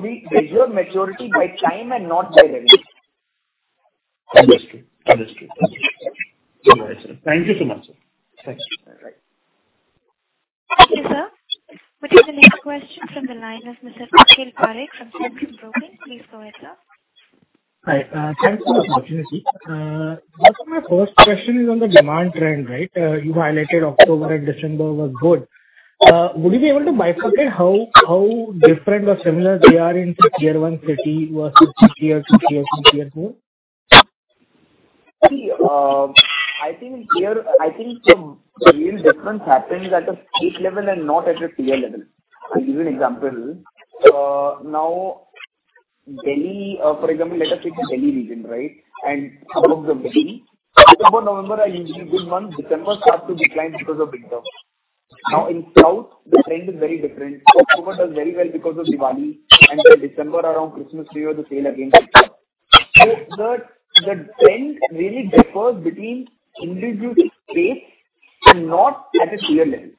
We measure maturity by time and not by revenue. Understood. Understood. Understood. All right, sir. Thank you so much, sir. Thanks. All right. Thank you, sir. With the next question from the line of Mr. Akhil Parekh from Centrum Broking. Please go ahead, sir. Hi. Thanks for the opportunity. My first question is on the demand trend, right? You highlighted October and December were good. Would you be able to bifurcate how different or similar they are in, say, tier one city versus tier two, tier three, tier four? I think the real difference happens at a state level and not at a tier level. I'll give you an example. Delhi, for example, let us take the Delhi region, right? Suburbs of Delhi. October, November are usually good months. December starts to decline because of big shops. In South the trend is very different. October does very well because of Diwali, and then December around Christmas we have the sale again. The trend really differs between individual states and not at a tier level.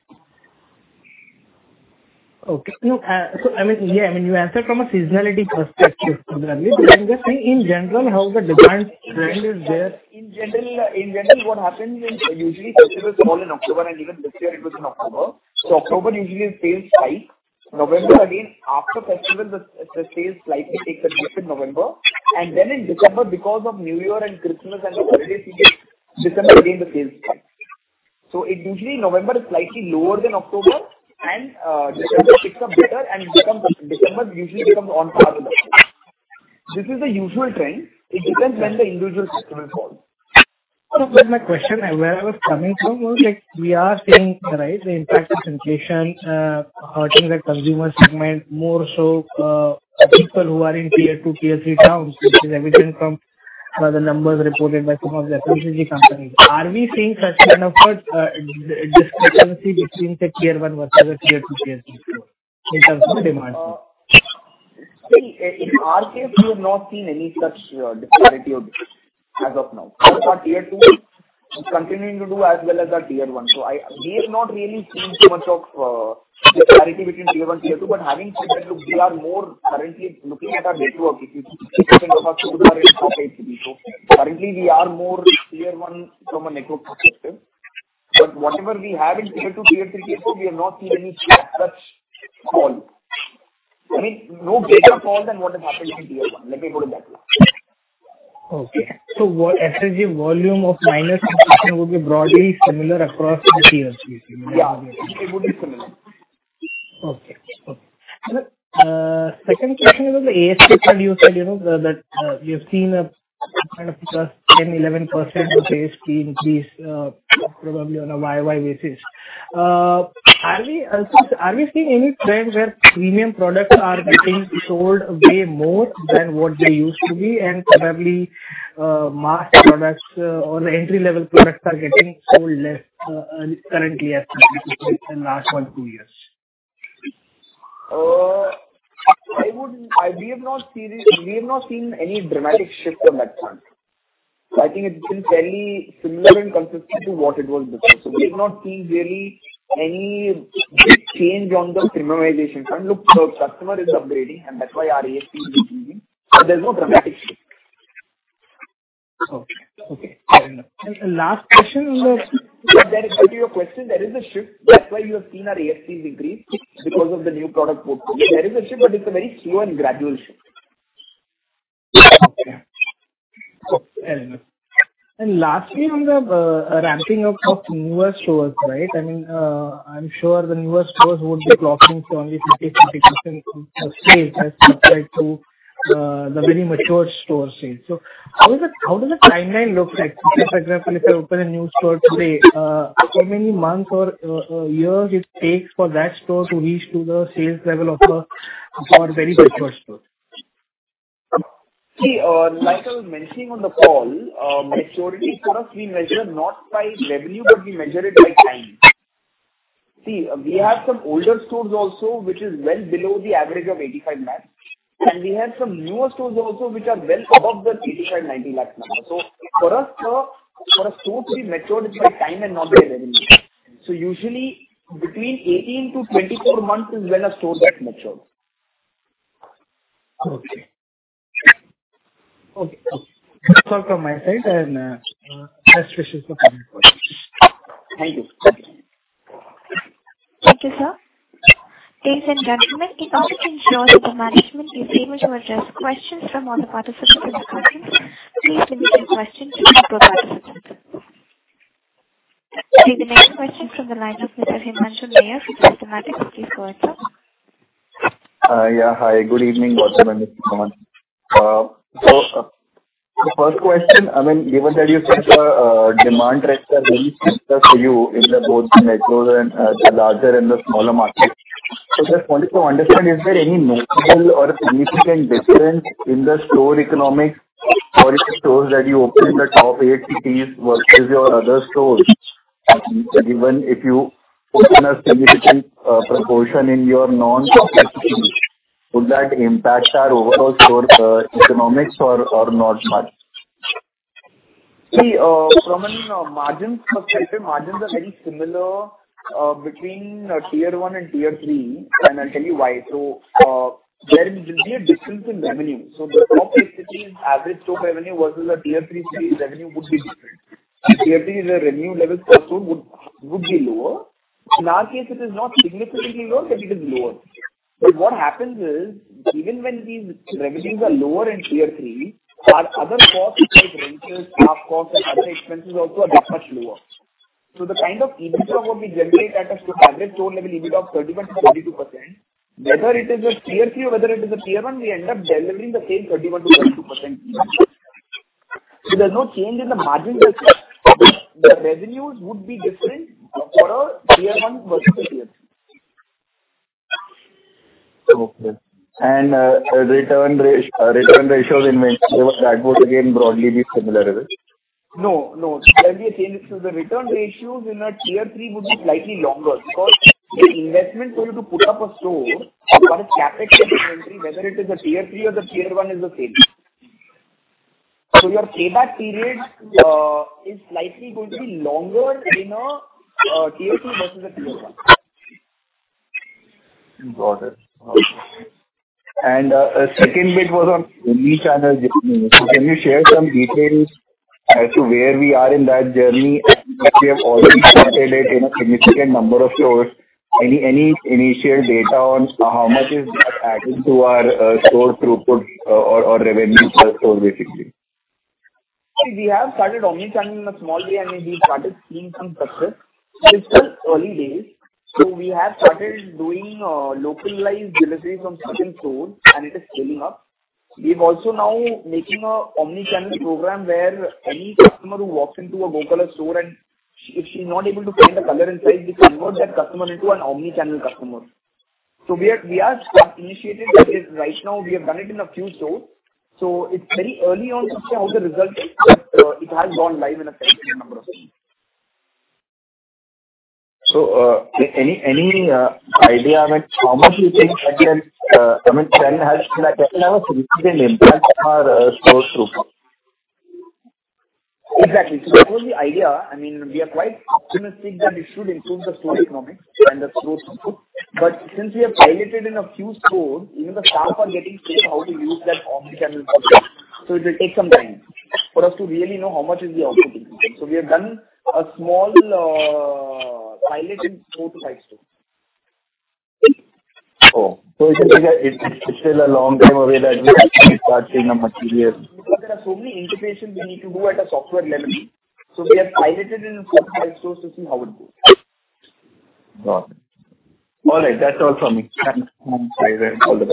Okay. No, I mean, yeah, I mean, you answered from a seasonality perspective, probably. I'm just saying in general, how the demand trend is there. In general, what happens is usually festivals fall in October, and even this year it was in October. October usually sales spike. November again, after festival the sales slightly takes a dip in November. Then in December because of New Year and Christmas and the holiday season, December again the sales spike. It usually November is slightly lower than October and, uh, December picks up better and becomes December usually becomes on par with October. This is the usual trend. It depends when the individual festivals fall. No, that's my question. Where I was coming from was, like, we are seeing, right, the impact of inflation, hurting the consumer segment more so, people who are in tier two, tier three towns, which is evident from the numbers reported by some of the FMCG companies. Are we seeing such kind of a discrepancy between, say, tier one versus tier two, tier three in terms of demand? See, in our case, we have not seen any such disparity of this as of now. Our Tier two is continuing to do as well as our Tier one. We have not really seen so much of disparity between Tier one and Tier two. Having said that, look, we are more currently looking at our network. If you think of us, we are in top eight cities. Currently we are more Tier one from a network perspective. Whatever we have in Tier two, Tier three, Tier four, we have not seen any such fall. I mean, no greater fall than what has happened in Tier one. Let me put it that way. Okay. As in the volume of minus would be broadly similar across the tiers, basically. Yeah. It would be similar. Okay. Okay. Second question is on the ASPs. You said, you know, that you've seen a kind of +10-11% ASP increase probably on a Y -o- Y basis. Are we, so are we seeing any trends where premium products are getting sold way more than what they used to be and probably mass products or entry-level products are getting sold less currently as compared to in last one to two years? We have not seen any dramatic shift on that front. I think it's been fairly similar and consistent to what it was before. We have not seen really any big change on the premiumization front. Look, the customer is upgrading, and that's why our ASP is increasing. There's no dramatic shift. Okay. Okay. Fair enough. Last question was. To your question, there is a shift. That's why you have seen our ASPs increase because of the new product portfolio. There is a shift, but it's a very slow and gradual shift. Okay. Cool. Fair enough. Lastly, on the ramping up of newer stores, right? I mean, I'm sure the newer stores would be clocking only 50% of sales as compared to the very mature store sales. How does the timeline look like? For example, if I open a new store today, how many months or years it takes for that store to reach to the sales level of our very mature stores? Like I was mentioning on the call, maturity for us we measure not by revenue, but we measure it by time. We have some older stores also which is well below the average of 85 lakhs, and we have some newer stores also which are well above the 85, 90 lakhs number. For us, for a store to be matured, it's by time and not by revenue. Usually between 18 to 24 months is when a store gets matured. Okay. Okay, cool. That's all from my side and best wishes for coming quarters. Thank you. Thank you. Thank you, sir. Ladies and gentlemen, in order to ensure that the management is able to address questions from all the participants in the conference, please limit your question to one per participant. Okay, the next question from the line of Mr. Himanshu Nayyar from. Please go ahead, sir. Yeah. Hi, good evening, Gautam and Mr. Kumar. The first question, I mean, given that you said the demand rates are very similar for you in the both metros and the larger and the smaller markets. Just wanted to understand, is there any notable or significant difference in the store economics for the stores that you open in the top eight cities versus your other stores? I mean, given if you open a significant proportion in your non-metros, would that impact your overall store economics or not much? See, from a margins perspective, margins are very similar, between Tier 1 and Tier 3, and I'll tell you why. There will be a difference in revenue. The top 8 cities average store revenue versus a Tier 3 city revenue would be different. Tier 3 is a revenue level per store would be lower. In our case, it is not significantly lower, but it is lower. What happens is, even when these revenues are lower in Tier 3, our other costs like rentals, staff costs and other expenses also are that much lower. The kind of EBITDA what we generate at an average store level EBITDA of 31% to 32%, whether it is a Tier 3 or whether it is a Tier 1, we end up delivering the same 31% to 32% EBITDA. There's no change in the margin %. The revenues would be different for a Tier one versus a Tier three. Okay. return ratios in main stores, that would again broadly be similar as well? No, no. There'll be a change. The return ratios in a Tier three would be slightly longer because the investment for you to put up a store for a CapEx inventory, whether it is a Tier three or the Tier one, is the same. Your payback period is likely going to be longer in a Tier three versus a Tier one. Got it. Okay. Second bit was on omni-channel journey. Can you share some details as to where we are in that journey? I think we have already started it in a significant number of stores. Any initial data on how much is that adding to our store throughput or revenue per store, basically? We have started omni-channel in a small way, and we started seeing some success. It is still early days. We have started doing localized deliveries from certain stores, and it is scaling up. We're also now making an omni-channel program where any customer who walks into a Go Colors store and if she's not able to find the color and size, we convert that customer into an omni-channel customer. We are initiated it. Right now we have done it in a few stores, so it's very early on to say how the result is, but it has gone live in a significant number of stores. Any idea how much do you think that can, I mean, that can have a significant impact on our store throughput? Exactly. That was the idea. I mean, we are quite optimistic that it should improve the store economics and the store throughput. Since we have piloted in a few stores, even the staff are getting trained how to use that omni-channel concept, so it will take some time for us to really know how much is the output improvement. We have done a small pilot in four to five stores. Oh. It's like it's still a long time away that we actually start seeing a material- There are so many integrations we need to do at a software level. We have piloted in four to five stores to see how it goes. Got it. All right. That's all from me. Thanks. No problem.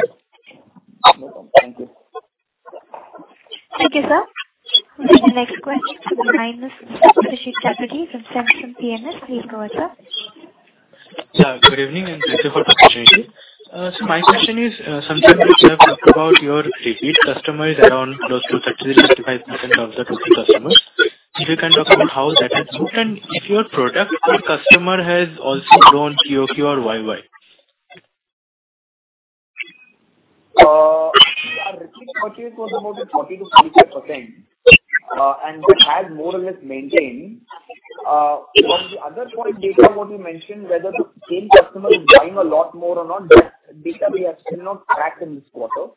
Thank you. Thank you, sir. The next question from the line of Saptarshee Chatterjee from Centrum PMS. Please go ahead, sir. Good evening, and thank you for the opportunity. My question is, sometimes we have talked about your repeat customers around close to 30%-35% of the total customers. If you can talk about how that has moved, and if your product per customer has also grown Q -o- Q or Y -o- Y? Our repeat purchase was about 40% to 45%. That has more or less maintained. The other point, data what we mentioned, whether the same customer is buying a lot more or not, that data we have still not tracked in this quarter.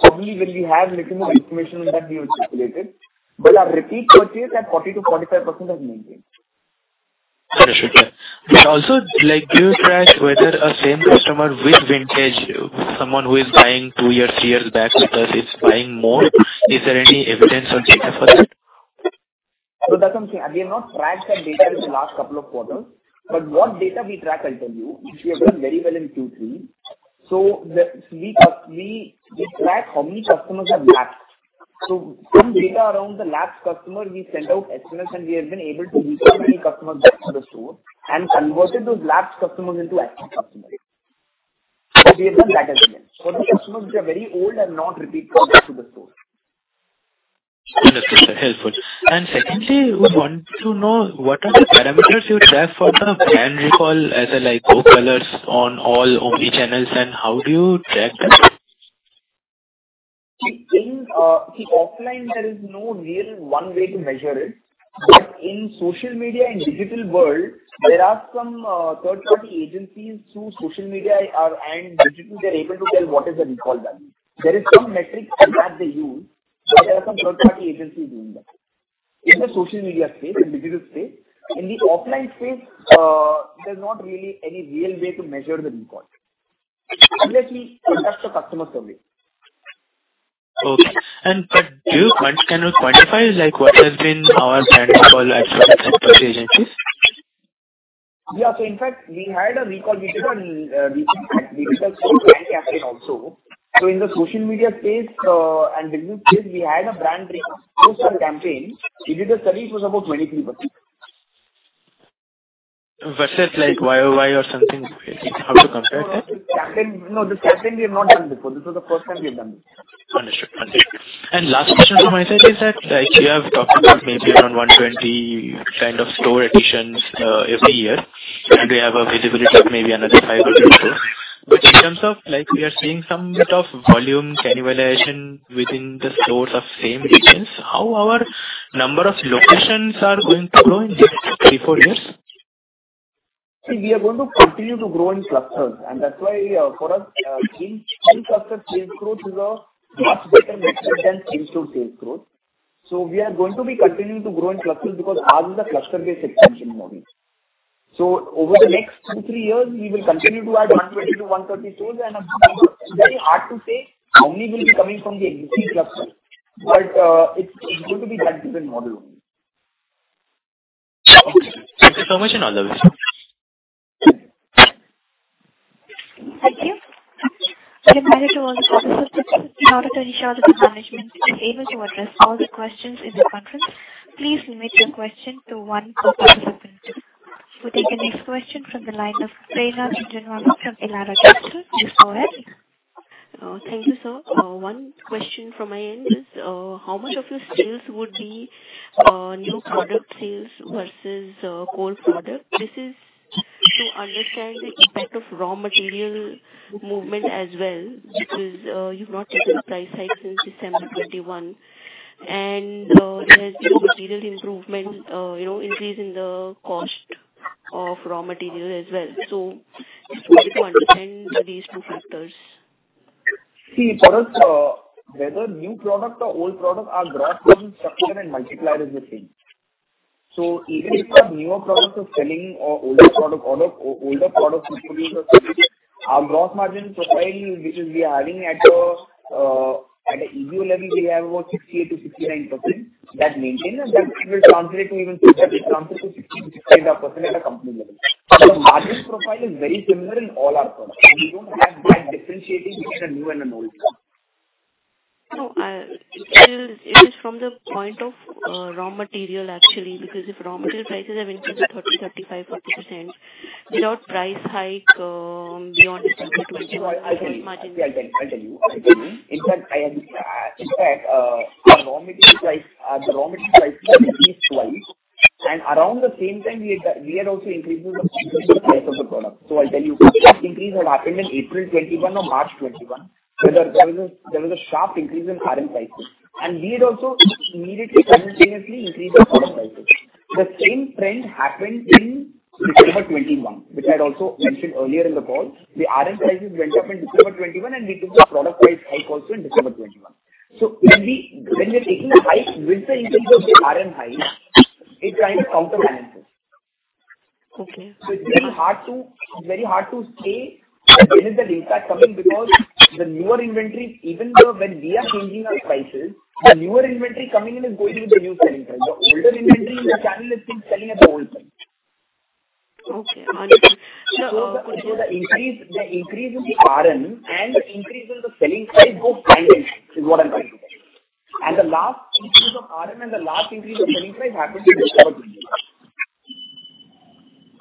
Probably when we have little more information on that, we will circulate it. Our repeat purchase at 40% to 45% has maintained. Understood. Yeah. Also, like, do you track whether a same customer with Vintage, someone who is buying two years, three years back with us is buying more? Is there any evidence or data for that? That's something we have not tracked that data in the last couple of quarters. What data we track, I'll tell you, which we have done very well in Q3. We track how many customers have lapsed. From data around the lapsed customer, we sent out SMS, and we have been able to recover many customers back to the store and converted those lapsed customers into active customers. We have done that as well. For the customers which are very old and not repeat purchase to the store. Understood, sir. Helpful. Secondly, we want to know what are the parameters you track for the brand recall as a, like, Go Colors on all omni-channels, and how do you track that? In, see, offline, there is no real one way to measure it. In social media and digital world, there are some third-party agencies who social media and digital, they're able to tell what is the recall value. There is some metrics and app they use, so there are some third-party agencies doing that. In the social media space, in digital space. In the offline space, there's not really any real way to measure the recall. Obviously, we conduct a customer survey. Okay. Can you quantify, like, what has been our brand recall as per the third-party agencies? Yeah. In fact, we had a recall. We did a recent brand campaign also. In the social media space and digital space, we had a brand recall post our campaign. We did a survey. It was about 23%. Versus, like, Y -o- Y or something, like, how to compare that? No, no. This campaign we have not done before. This was the first time we have done this. Understood. Understood. Last question from my side is that, like, you have talked about maybe around 120 kind of store additions every year, and we have a visibility of maybe another five or 10 years. In terms of, like, we are seeing some bit of volume cannibalization within the stores of same regions. How our number of locations are going to grow in the next three, four years? See, we are going to continue to grow in clusters. That's why, for us, chain cluster sales growth is a much better metric than chain store sales growth. We are going to be continuing to grow in clusters because ours is a cluster-based expansion model. Over the next two, three years, we will continue to add 120 to 130 stores, and it's very hard to say how many will be coming from the existing cluster. It's going to be that driven model only. Okay. Thanks for the information. All the best. Thank you. [In order to ensure that the management is able to address all the questions in the conference, please limit your question to one per participant. We'll take the next question from the line of Prerna Jhunjhunwala from Elara Capital. Please go ahead. Thank you, sir. One question from my end is, how much of your sales would be new product sales versus old product? This is to understand the impact of raw material movement as well, because you've not taken a price hike since December 2021. There's new material improvement, you know, increase in the cost of raw material as well. Just wanted to understand these two factors. For us, whether new product or old product, our gross margin structure and multiplier is the same. Even if the newer products are selling or older products continue to sell, our gross margin profile, which is we are having at an EBO level, we have about 68% to 69%. That maintains and that will translate to even 60%-65.5% at a company level. The margin profile is very similar in all our products. We don't have that differentiating between a new and an old product. No, it is, it is from the point of raw material actually, because if raw material prices have increased to 30%, 35%, 40% without price hike, beyond December 2021- I'll tell you. In fact, I have the stat. In fact, the raw material price has increased twice, and around the same time we are also increasing the price of the product. I'll tell you, that increase what happened in April 21 or March 21, where there was a sharp increase in RM prices. We had also immediately simultaneously increased our product prices. The same trend happened in December 21, which I'd also mentioned earlier in the call. The RM prices went up in December 21, and we gave the product price hike also in December 21. When we're taking a hike with the increase of the RM hikes, it kind of counterbalances. Okay. It's very hard to say when is that impact coming because the newer inventory. Even though when we are changing our prices, the newer inventory coming in is going with the new selling price. The older inventory in the channel is still selling at the old price. Okay. Understood. Now. The increase in the RM and the increase in the selling price goes hand in hand, is what I'm trying to say. The last increase of RM and the last increase of selling price happened in December 2021.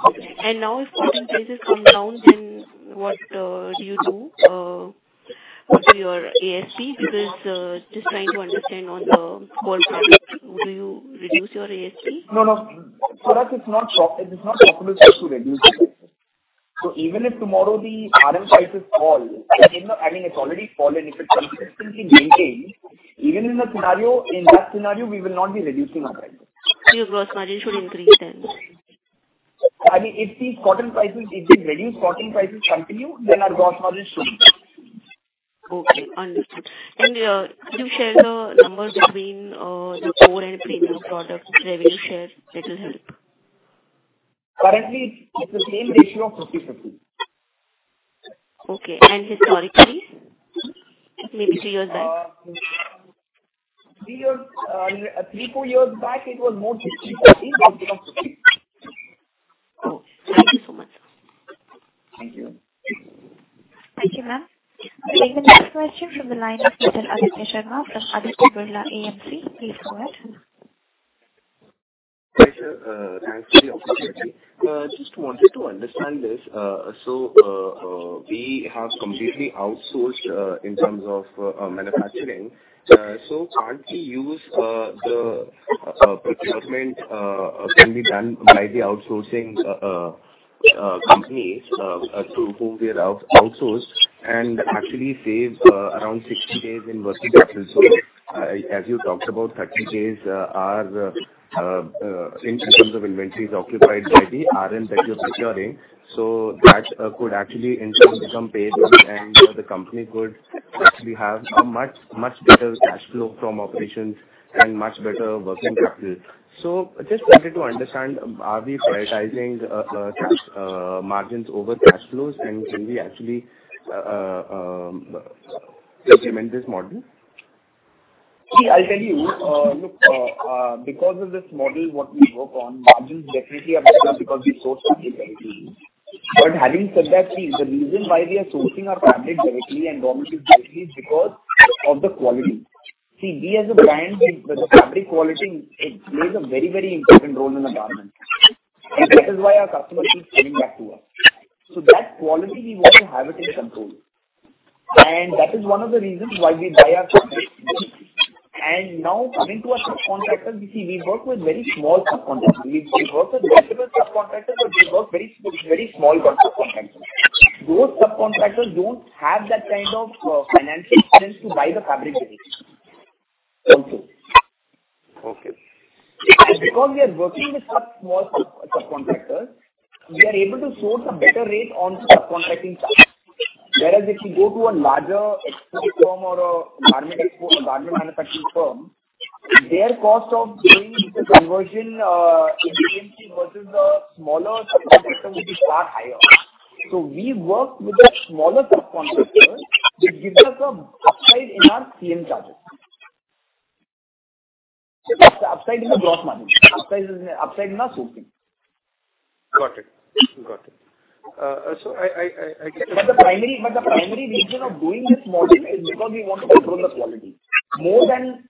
Okay. If cotton prices come down, then what do you do? What do your ASPs... Because, just trying to understand on the core product, do you reduce your ASP? No, no. That is not so. It is not possible for us to reduce the prices. Even if tomorrow the RM prices fall, I mean, it's already fallen, if it consistently maintains, even in a scenario, in that scenario we will not be reducing our prices. Your gross margin should increase then. I mean, if the cotton prices, if the reduced cotton prices continue, then our gross margin should increase. Okay. Understood. Could you share the numbers between the core and premium products revenue share? That will help. Currently it's the same ratio of 50/50. Okay. Historically? Maybe two years back. Three years, three to four years back it was more 60/40 than 50/50. Oh, thank you so much, sir. Thank you. Thank you, ma'am. I'll take the next question from the line of Mr. Aditya Sharma from Aditya Birla AMC. Please go ahead. Hi, sir. Thanks for the opportunity. Just wanted to understand this. We have completely outsourced in terms of manufacturing. Can't we use the procurement can be done by the outsourcing company to whom we are outsourced and actually save around 60 days in working capital? As you talked about 30 days are in terms of inventories occupied by the RM that you're procuring. That could actually in turn become paid and the company could actually have a much, much better cash flow from operations and much better working capital. Just wanted to understand, are we prioritizing cash margins over cash flows? Can we actually implement this model? See, I'll tell you. Look, because of this model, what we work on, margins definitely are better because we source our fabric directly. Having said that, see, the reason why we are sourcing our fabric directly and raw materials directly is because of the quality. See, we as a brand, the fabric quality, it plays a very, very important role in a garment. Okay. That is why our customers keep coming back to us. That quality, we want to have it in control. That is one of the reasons why we buy our fabric directly. Now coming to our subcontractors, you see, we work with very small subcontractors. We work with multiple subcontractors, but we work with very small subcontractors. Those subcontractors don't have that kind of financial strength to buy the fabric directly from them. Okay. Because we are working with such small sub-subcontractors, we are able to source a better rate on subcontracting charges. Whereas if you go to a larger export firm or a garment export, garment manufacturing firm, their cost of doing the conversion, efficiency versus the smaller subcontractor will be far higher. We work with the smaller subcontractors that give us a upside in our CM charges. Upside in the gross margin. Upside in our sourcing. Got it. I get- The primary reason of doing this model is because we want to control the quality. More than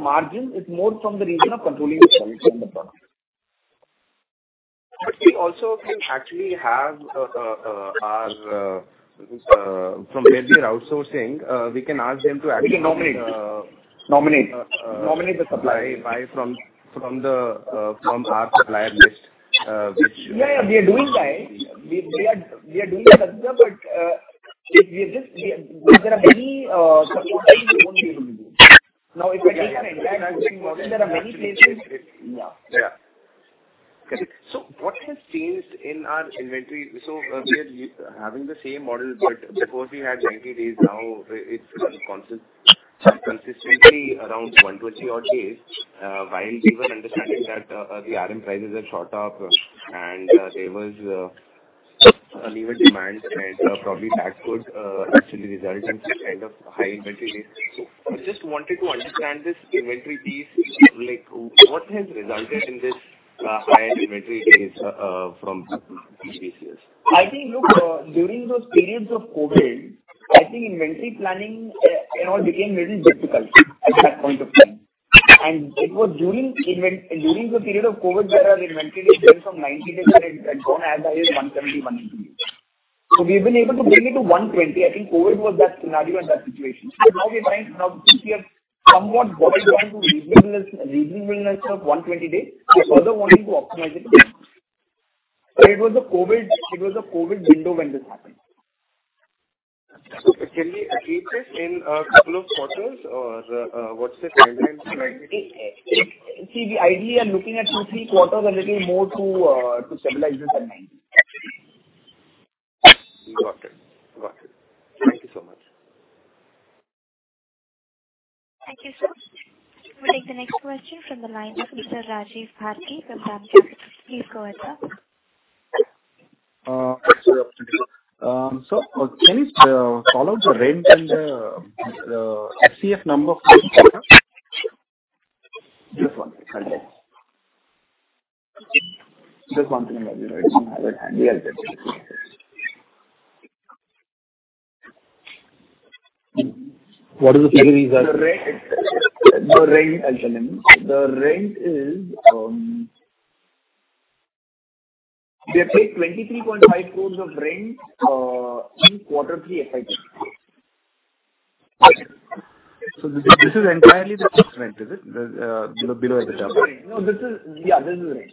margin, it's more from the reason of controlling the quality of the product. we also can actually have, our, from where we are outsourcing, we can ask them to actually We can nominate. -uh- Nominate. Nominate the supplier. buy from our supplier list. Yeah, we are doing that. We are doing that, but We, there are many suppliers we don't even use. Now, if I take an entire outsourcing model, there are many places- Yeah. Yeah. What has changed in our inventory? We are having the same model, but before we had 90 days, now it's consistently around 120 odd days. While we were understanding that, the RM prices had shot up and there was uneven demand and probably that could actually result in some kind of high inventory risk. Just wanted to understand this inventory piece. Like what has resulted in this high inventory days from previous years? I think, look, during those periods of COVID, I think inventory planning, you know, became little difficult at that point of time. It was during the period of COVID that our inventory days went from 90 days where it had gone as high as 170, 180. We've been able to bring it to 120. I think COVID was that scenario and that situation. Now since we have somewhat got around to reasonable sort of 120 days, we further wanting to optimize it. It was the COVID, it was the COVID window when this happened. Can we achieve this in a couple of quarters or, what's the timeline for achieving this? See, we ideally are looking at two, three quarters, a little more to stabilize this at nine. Got it. Got it. Thank you so much. Thank you, sir. We'll take the next question from the line of Mr. Rajiv Bharati from DAM Capital. Please go ahead, sir. Sir. Can you follow the rent and the SCF number for this quarter? Just one second. I don't have it handy. I'll get you. What is the figure, sir? The rent, I'll tell him. The rent is, we have paid 23.5 crores of rent, in quarter three FY 2022. This is entirely the fixed rent, is it? Sorry. No, this is. Yeah, this is the rent.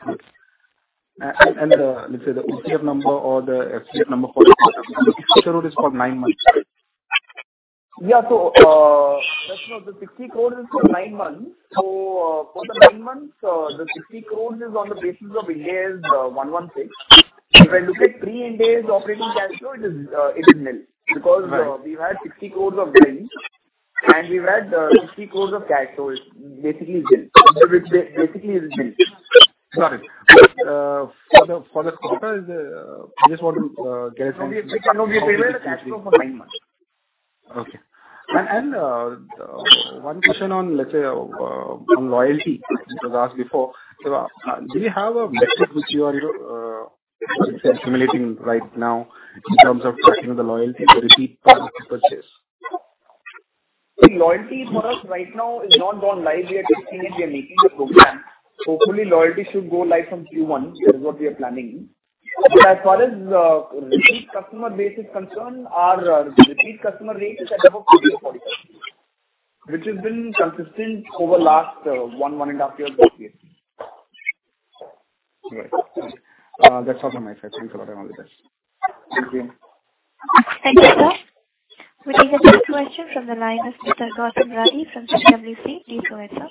Correct. Then, let's say, the ICF number or the SCF number for this quarter? The 60 crore is for nine months, right? Yeah. That's not the 60 crore is for nine months. For the nine months, the 60 crores is on the basis of Ind AS 116. If I look at pre-Ind AS operating cash flow, it is nil. Right. We've had 60 crores of rent and we've had 60 crores of cash. basically nil. Basically, it is nil. Got it. For the quarter, I just want to get a sense. We have paid the cash flow for nine months. Okay. one question on, let's say, on loyalty, which was asked before. Do you have a metric which you are, let's say, simulating right now in terms of, you know, the loyalty, the repeat purchase? The loyalty for us right now is not gone live yet. We are testing it. We are making the program. Hopefully, loyalty should go live from Q1. This is what we are planning. As far as repeat customer base is concerned, our repeat customer rate is at above 50% to 45%, which has been consistent over last one and a half years that we have seen. Right. That's all from my side. Thanks a lot and all the best. Thank you. Thank you, sir. We take the next question from the line of Mr. Gautam Rathi from CWC Advisors. Please go ahead, sir.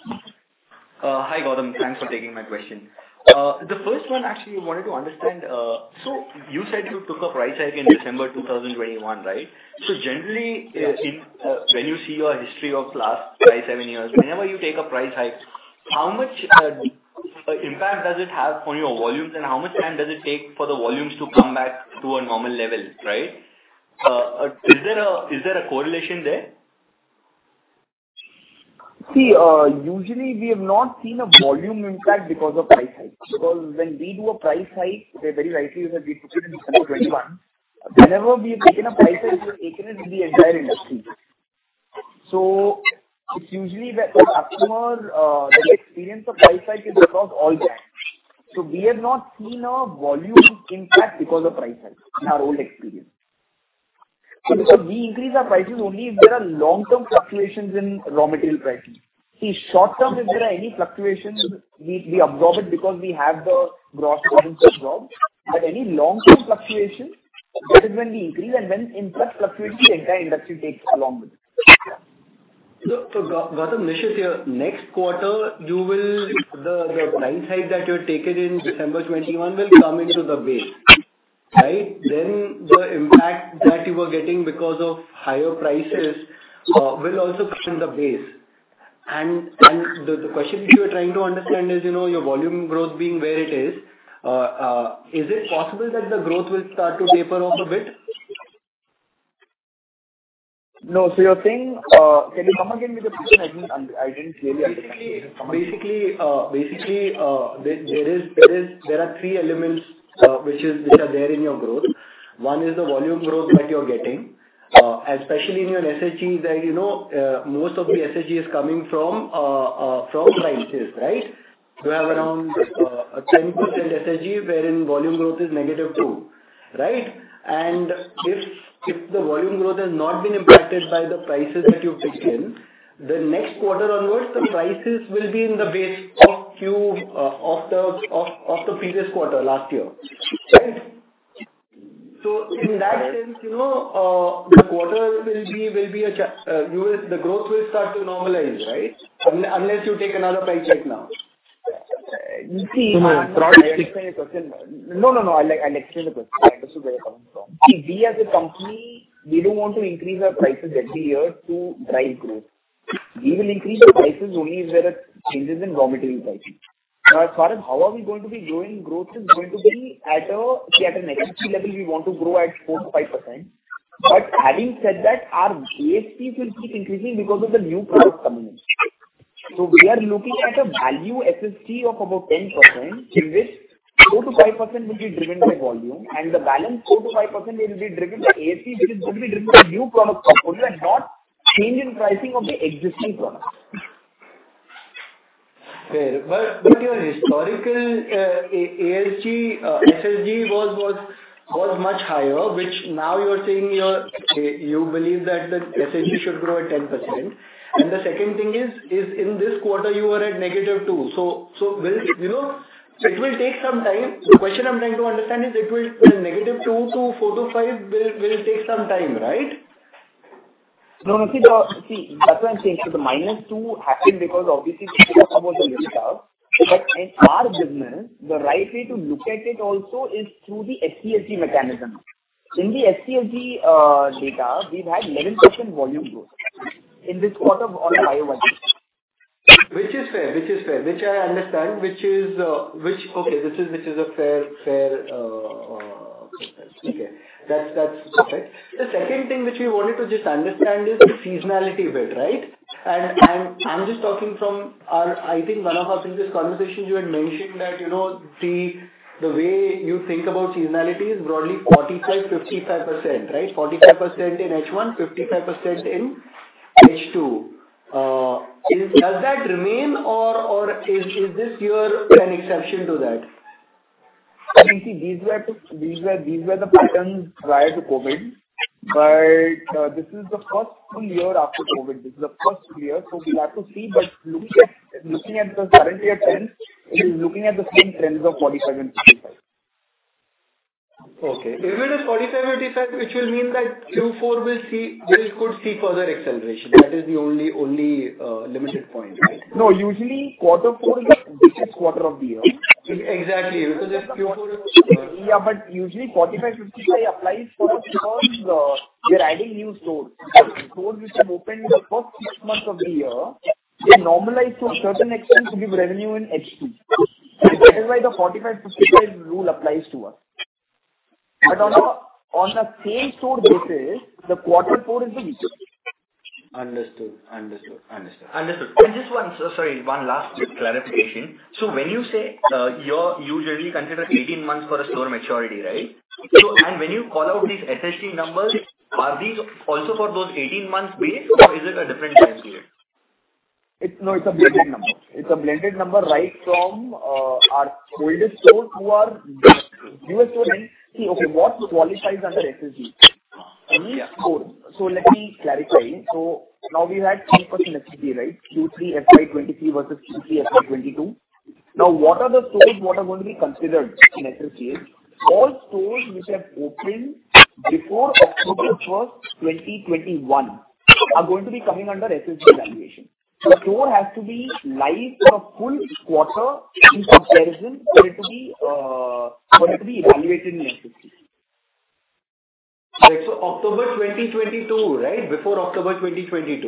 Hi, Gautam. Thanks for taking my question. The first one actually wanted to understand, so you said you took a price hike in December 2021, right? Generally, when you see your history of last five, seven years, whenever you take a price hike, how much impact does it have on your volumes and how much time does it take for the volumes to come back to a normal level, right? Is there a correlation there? Usually we have not seen a volume impact because of price hike. When we do a price hike, very rightly you said we put it in December 2021. Whenever we have taken a price hike, we've taken it with the entire industry. It's usually the customer, the experience of price hike is across all GACs. We have not seen a volume impact because of price hike in our own experience. Because we increase our prices only if there are long-term fluctuations in raw material prices. Short term, if there are any fluctuations, we absorb it because we have the gross margins to absorb. Any long-term fluctuation, that is when we increase and when input fluctuates, the entire industry takes along with it. Gautam, Nishith here. Next quarter the price hike that you had taken in December 2021 will come into the base, right? The impact that you were getting because of higher prices will also be in the base. The question which you are trying to understand is, you know, your volume growth being where it is it possible that the growth will start to taper off a bit? No. You're saying, can you come again with the question? I didn't clearly understand. Basically, there are three elements which are there in your growth. One is the volume growth that you're getting. Especially in your SSG, right, you know, most of the SSG is coming from prices, right? You have around a 10% SSG wherein volume growth is -2%, right? If the volume growth has not been impacted by the prices that you've taken, the next quarter onwards the prices will be in the base of Q of the previous quarter last year. Right? In that sense, you know, the quarter will be. The growth will start to normalize, right? Unless you take another price hike now. you see No, no, I understand your question. No, no. I'll explain the question. I understood where you're coming from. We as a company, we don't want to increase our prices every year to drive growth. We will increase our prices only if there are changes in raw material pricing. As far as how are we going to be doing growth is going to be at an SSG level we want to grow at 4% to 5%. Having said that, our ASPs will keep increasing because of the new products coming in. We are looking at a value SSG of about 10%, in which 4% to 5% will be driven by volume and the balance 4% to 5% will be driven by ASP, which will be driven by new product portfolio and not change in pricing of the existing products. Fair. Your historical ASG SSG was much higher, which now you are saying your. You believe that the SSG should grow at 10%. The second thing is in this quarter you were at -2%. Will, you know, it will take some time. The question I am trying to understand is it will -2% to 4% to 5% will take some time, right? No, no. See, that's why I'm saying. The -2 happened because obviously about the mix up. In our business, the right way to look at it also is through the SCSG mechanism. In the SCSG data, we've had 11% volume growth in this quarter on a Y -o- Y. Which is fair. Which I understand, which is Okay, which is a fair, okay. That's perfect. The second thing which we wanted to just understand is the seasonality bit, right? I'm just talking from I think one of our previous conversations you had mentioned that, you know, the way you think about seasonality is broadly 45%, 55%, right? 45% in H1, 55% in H2. Does that remain or is this year an exception to that? These were the patterns prior to COVID. This is the first full year after COVID. This is the first year, we'll have to see. Looking at the current year trends, it is looking at the same trends of 45% and 55%. Okay. Even if 45%-55%, which will mean that Q4 could see further acceleration. That is the only limited point. No. Usually quarter four is the biggest quarter of the year. Exactly. Because if Q4. Yeah, usually 45 to 55 applies for us because we are adding new stores. Stores which have opened in the first six months of the year- Yeah. They normalize to a certain extent to give revenue in H2. That is why the 45, 55 rule applies to us. On a same-store basis, the quarter four is the weakest. Understood. Understood. Understood. Understood. Sorry, one last clarification. When you say, you usually consider 18 months for a store maturity, right? When you call out these SSG numbers, are these also for those 18 months base or is it a different time period? It's a blended number. It's a blended number right from our oldest store to our newest store. What qualifies under SSG? Any store. Let me clarify. We had 10% SSG, right? Q3 FY2023 versus Q3 FY2022. What are the stores going to be considered in SSG is all stores which have opened before October 1, 2021 are going to be coming under SSG evaluation. The store has to be live for a full quarter in comparison for it to be evaluated in the SSG. Right. October 2022, right? Before October 2022.